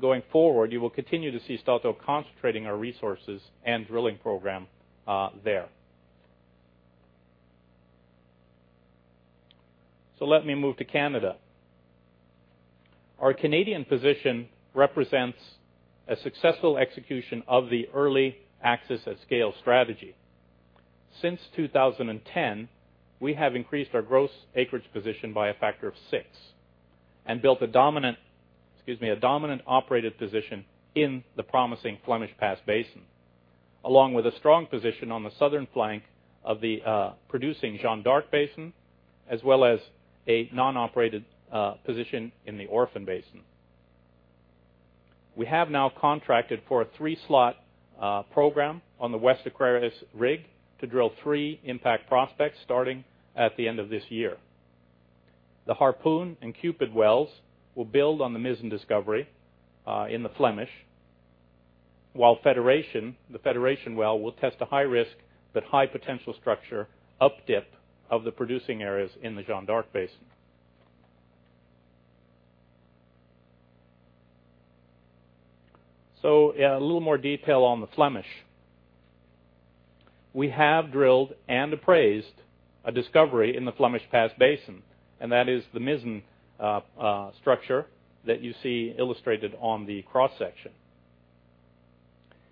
Going forward, you will continue to see Statoil concentrating our resources and drilling program there. Let me move to Canada. Our Canadian position represents a successful execution of the early access at scale strategy. Since 2010, we have increased our gross acreage position by a factor of 6 and built a dominant, excuse me, a dominant operated position in the promising Flemish Pass Basin, along with a strong position on the southern flank of the producing Jeanne d'Arc Basin, as well as a non-operated position in the Orphan Basin. We have now contracted for a three-slot program on the West Aquarius rig to drill three impact prospects starting at the end of this year. The Harpoon and Cupid wells will build on the Mizzen discovery in the Flemish. While Federation, the Federation well will test a high risk but high potential structure up dip of the producing areas in the Jeanne d'Arc Basin. Yeah, a little more detail on the Flemish. We have drilled and appraised a discovery in the Flemish Pass Basin, and that is the Mizzen structure that you see illustrated on the cross section.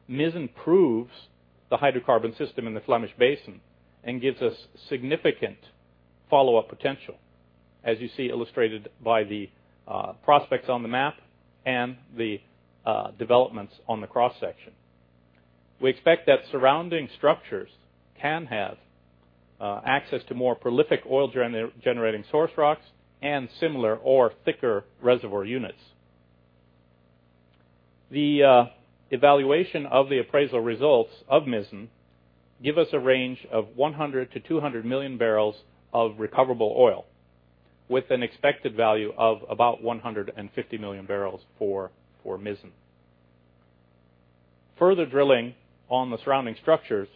Mizzen proves the hydrocarbon system in the Flemish Pass Basin and gives us significant follow-up potential, as you see illustrated by the prospects on the map and the developments on the cross section. We expect that surrounding structures can have access to more prolific oil generating source rocks and similar or thicker reservoir units. The evaluation of the appraisal results of Mizzen give us a range of 100-200 million barrels of recoverable oil, with an expected value of about 150 million barrels for Mizzen. Further drilling on the surrounding structures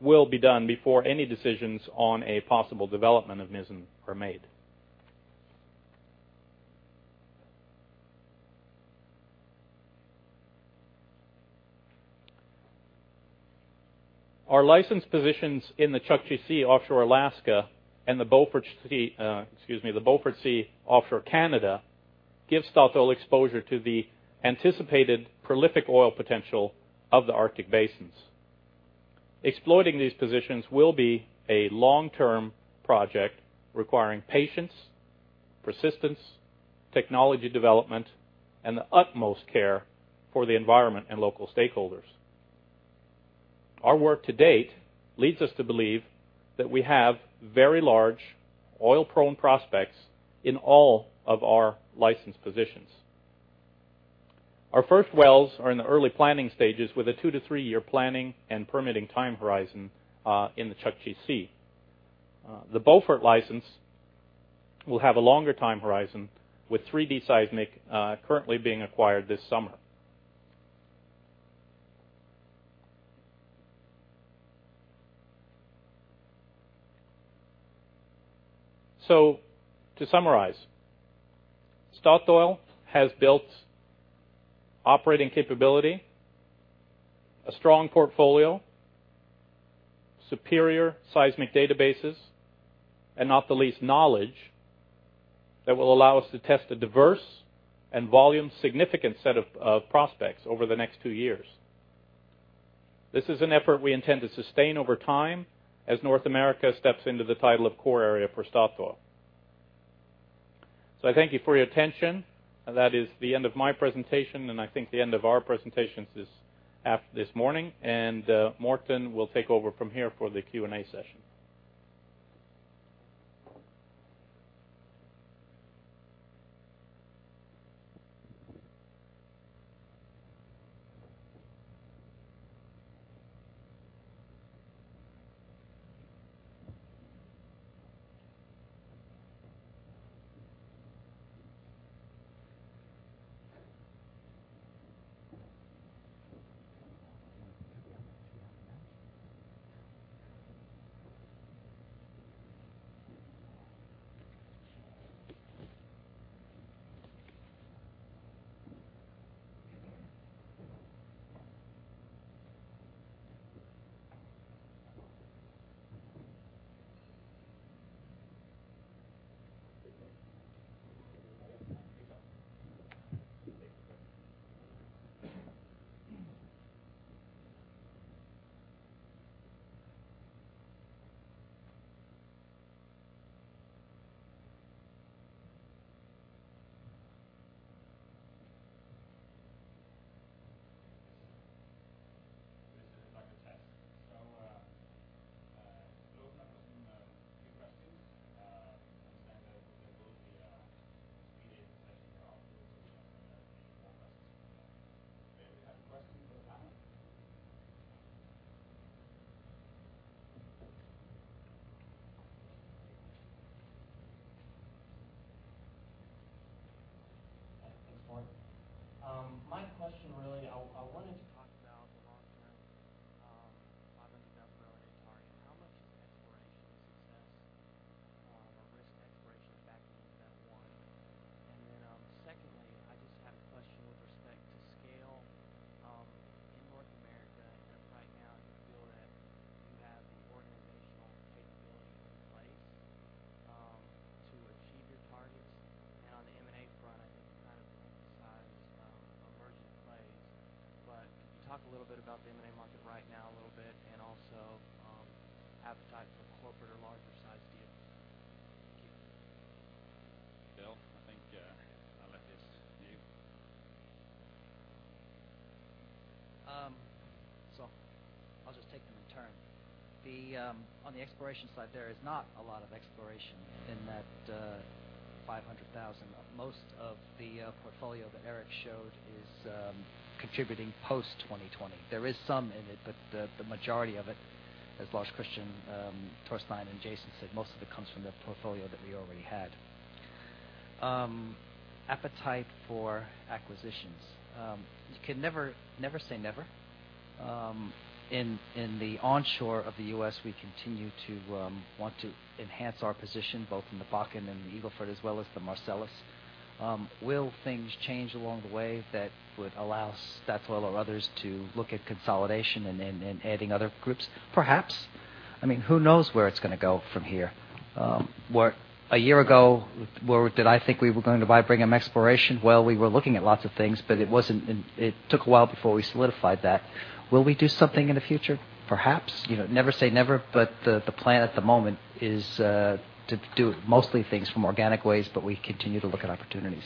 will be done before any decisions on a possible development of Mizzen are made. Our license positions in the Chukchi Sea offshore Alaska and the Beaufort Sea offshore Canada gives Statoil exposure to the anticipated prolific oil potential of the Arctic basins. Exploiting these positions will be a long-term project requiring patience, persistence, technology development, and the utmost care for the environment and local stakeholders. Our work to date leads us to believe that we have very large oil-prone prospects in all of our licensed positions. Our first wells are in the early planning stages with a 2-3-year planning and permitting time horizon in the Chukchi Sea. The Beaufort license will have a longer time horizon with 3-D seismic currently being acquired this summer. To summarize, Statoil has built operating capability, a strong portfolio, superior seismic databases, and not the least knowledge that will allow us to test a diverse and volume significant set of prospects over the next two years. This is an effort we intend to sustain over time as North America steps into the title of core area for Statoil. I thank you for your attention. That is the end of my presentation, and I think the end of our presentations this morning. Morten will take over from here for the Q&A session. contributing post-2020. There is some in it, but the majority of it, as Lars Christian, Torstein, and Jason said, most of it comes from the portfolio that we already had. Appetite for acquisitions. You can never say never. In the onshore of the US, we continue to want to enhance our position both in the Bakken and the Eagle Ford, as well as the Marcellus. Will things change along the way that would allow Statoil or others to look at consolidation and then adding other groups? Perhaps. I mean, who knows where it's gonna go from here? A year ago, did I think we were going to buy Brigham Exploration? Well, we were looking at lots of things, but it wasn't in. It took a while before we solidified that. Will we do something in the future? Perhaps. You know, never say never, but the plan at the moment is to do mostly things from organic ways, but we continue to look at opportunities.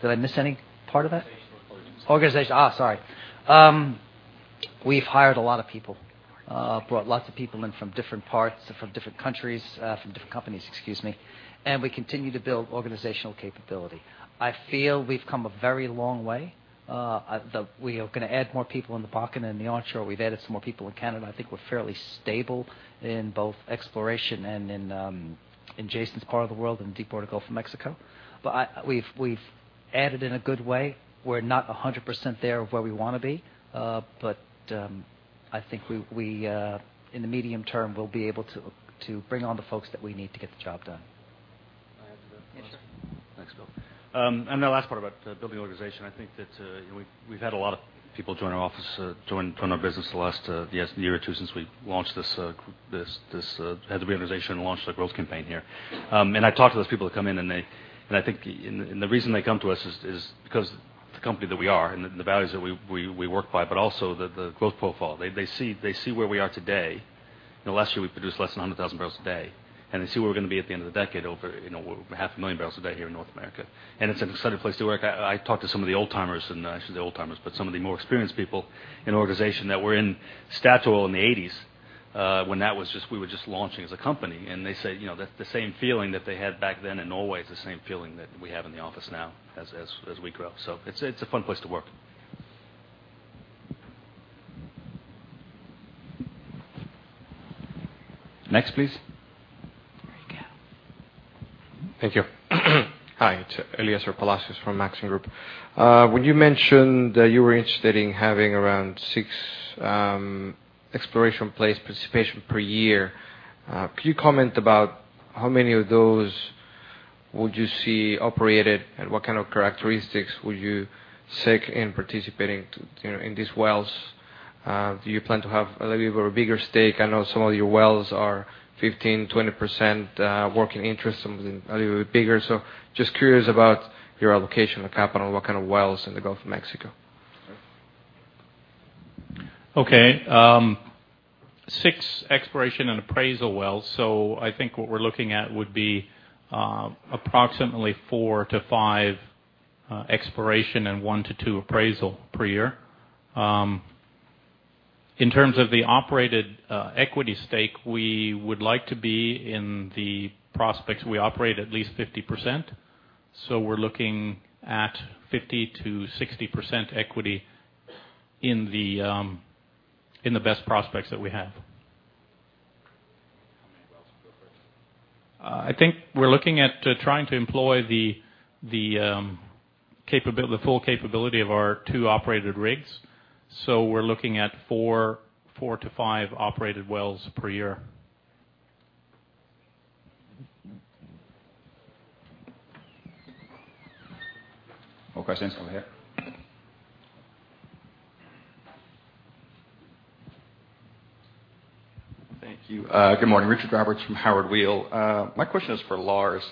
Did I miss any part of that? Organizational Organizational capabilities. Ah, sorry. We've hired a lot of people. Brought lots of people in from different parts, from different countries, from different companies, excuse me, and we continue to build organizational capability. I feel we've come a very long way. We are gonna add more people in the Bakken and the onshore. We've added some more people in Canada. I think we're fairly stable in both exploration and in Jason's part of the world in Deepwater Gulf of Mexico. We've added in a good way. We're not 100% there of where we wanna be, but I think we in the medium term will be able to bring on the folks that we need to get the job done. Can I add to that? Yeah, sure. Thanks, Bill. On the last part about building the organization, I think that you know, we've had a lot of people join our office, join our business the last year or two since we had the reorganization and launched the growth campaign here. I talk to those people that come in. I think the reason they come to us is because the company that we are and the values that we work by, but also the growth profile. They see where we are today. You know, last year we produced less than 100,000 barrels a day, and they see where we're gonna be at the end of the decade, over, you know, half a million barrels a day here in North America. It's an exciting place to work. I talked to some of the old-timers, but some of the more experienced people in the organization that were in Statoil in the 1980s, when we were just launching as a company. They say, you know, the same feeling that they had back then in Norway is the same feeling that we have in the office now as we grow. It's a fun place to work. Next, please. There you go. Thank you. Hi, it's Eliezer Palacios from Maxim Group. When you mentioned that you were interested in having around 6 exploration lease participation per year, could you comment about how many of those would you see operated and what kind of characteristics would you seek in participating in, you know, these wells? Do you plan to have a little bit of a bigger stake? I know some of your wells are 15, 20% working interest, some of them a little bit bigger. Just curious about your allocation of capital, what kind of wells in the Gulf of Mexico. Okay. Six exploration and appraisal wells. I think what we're looking at would be approximately 4-5 exploration and 1-2 appraisal per year. In terms of the operated equity stake, we would like to be in the prospects we operate at least 50%. We're looking at 50%-60% equity in the best prospects that we have. How many wells per year? I think we're looking at trying to employ the full capability of our two operated rigs. We're looking at 4-5 operated wells per year. More questions over here. Thank you. Good morning. Richard Roberts from Howard Weil. My question is for Lars.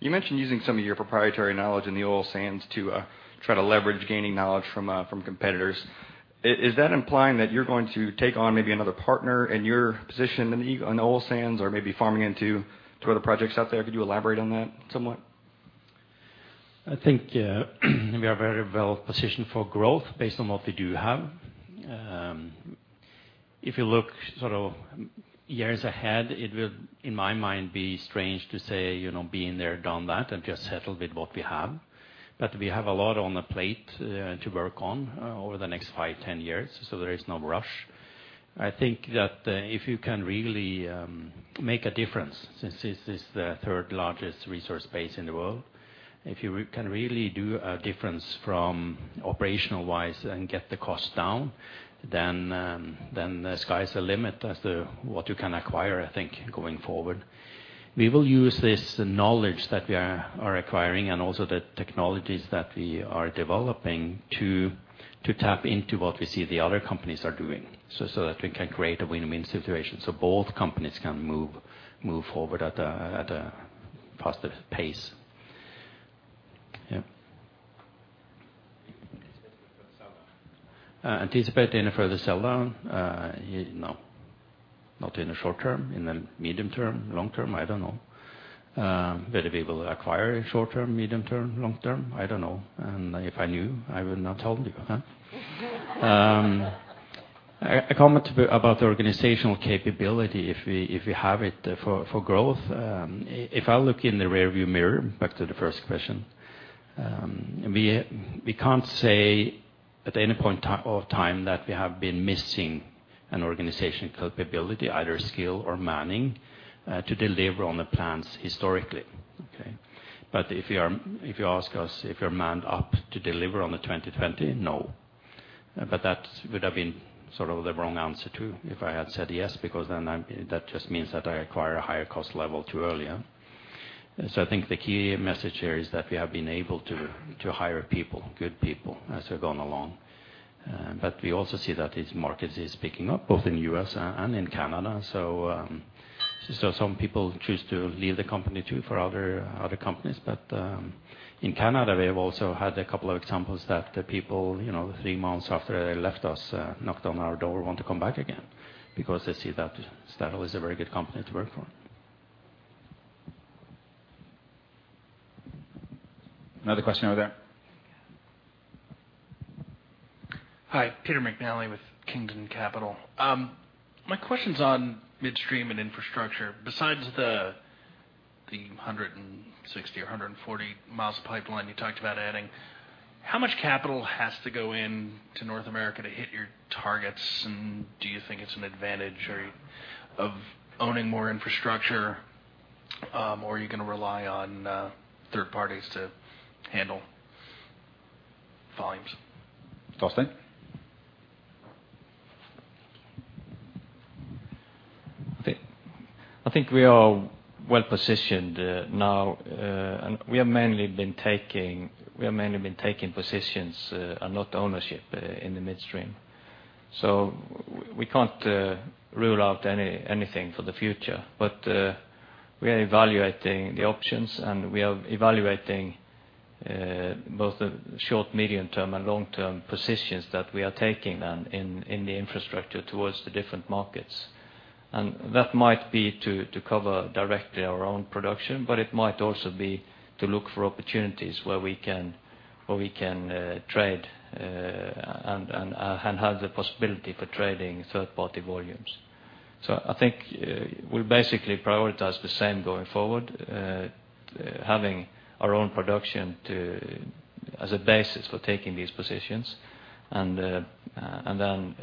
You mentioned using some of your proprietary knowledge in the oil sands to try to leverage gaining knowledge from competitors. Is that implying that you're going to take on maybe another partner in your position on the oil sands or maybe farming into other projects out there? Could you elaborate on that somewhat? I think we are very well positioned for growth based on what we do have. If you look sort of years ahead, it will, in my mind, be strange to say, you know, been there, done that, and just settle with what we have. We have a lot on the plate to work on over the next 5, 10 years, so there is no rush. I think that if you can really make a difference, since this is the third largest resource base in the world, if you can really do a difference from operational-wise and get the cost down, then the sky's the limit as to what you can acquire, I think, going forward. We will use this knowledge that we are acquiring and also the technologies that we are developing to tap into what we see the other companies are doing so that we can create a win-win situation, so both companies can move forward at a positive pace. Yeah. Do you anticipate any further sell down? Anticipate any further sell down? No. Not in the short term, in the medium term, long term, I don't know. Whether we will acquire in short term, medium term, long term, I don't know. If I knew, I would not tell you, huh? A comment about the organizational capability if we have it for growth. If I look in the rearview mirror back to the first question, we can't say at any point of time that we have been missing an organizational capability, either skill or manning, to deliver on the plans historically, okay. If you ask us if we're manned up to deliver on the 2020, no. That would have been sort of the wrong answer, too, if I had said yes, because then that just means that I acquire a higher cost level too early. I think the key message here is that we have been able to hire people, good people, as we've gone along. We also see that this market is picking up both in U.S. and in Canada. Some people choose to leave the company too for other companies. In Canada, we have also had a couple of examples that the people, you know, three months after they left us, knocked on our door, want to come back again because they see that Statoil is a very good company to work for. Another question over there. Hi, Peter McNally with Kingdon Capital. My question's on midstream and infrastructure. Besides the 160 or 140 miles of pipeline you talked about adding, how much capital has to go into North America to hit your targets? And do you think it's an advantage or of owning more infrastructure, or are you gonna rely on third parties to handle volumes? Thorstein? I think we are well-positioned now. We have mainly been taking positions and not ownership in the midstream. We can't rule out anything for the future. We are evaluating the options, and we are evaluating both the short, medium-term and long-term positions that we are taking then in the infrastructure towards the different markets. That might be to cover directly our own production, but it might also be to look for opportunities where we can trade and have the possibility for trading third-party volumes. I think we basically prioritize the same going forward, having our own production to as a basis for taking these positions and then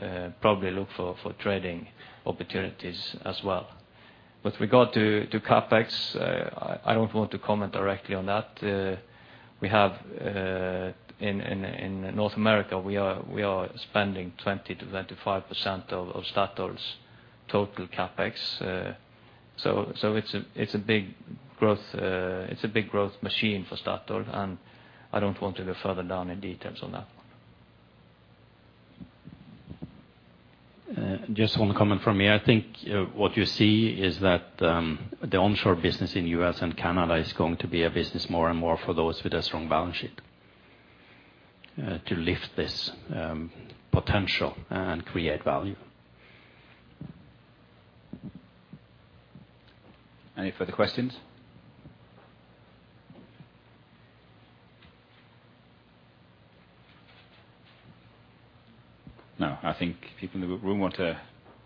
probably look for trading opportunities as well. With regard to CapEx, I don't want to comment directly on that. In North America, we are spending 20%-25% of Statoil's total CapEx. It's a big growth machine for Statoil, and I don't want to go further down in details on that one. Just one comment from me. I think what you see is that, the onshore business in U.S. and Canada is going to be a business more and more for those with a strong balance sheet, to lift this potential and create value. Any further questions? No, I think people in the room want to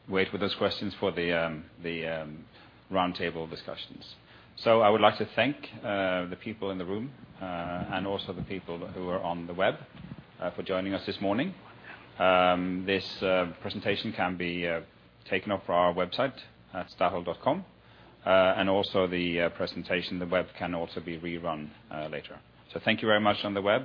wait with those questions for the roundtable discussions. I would like to thank the people in the room, and also the people who are on the web, for joining us this morning. This presentation can be taken off our website at statoil.com. Also the presentation on the web can also be rerun later. Thank you very much on the web.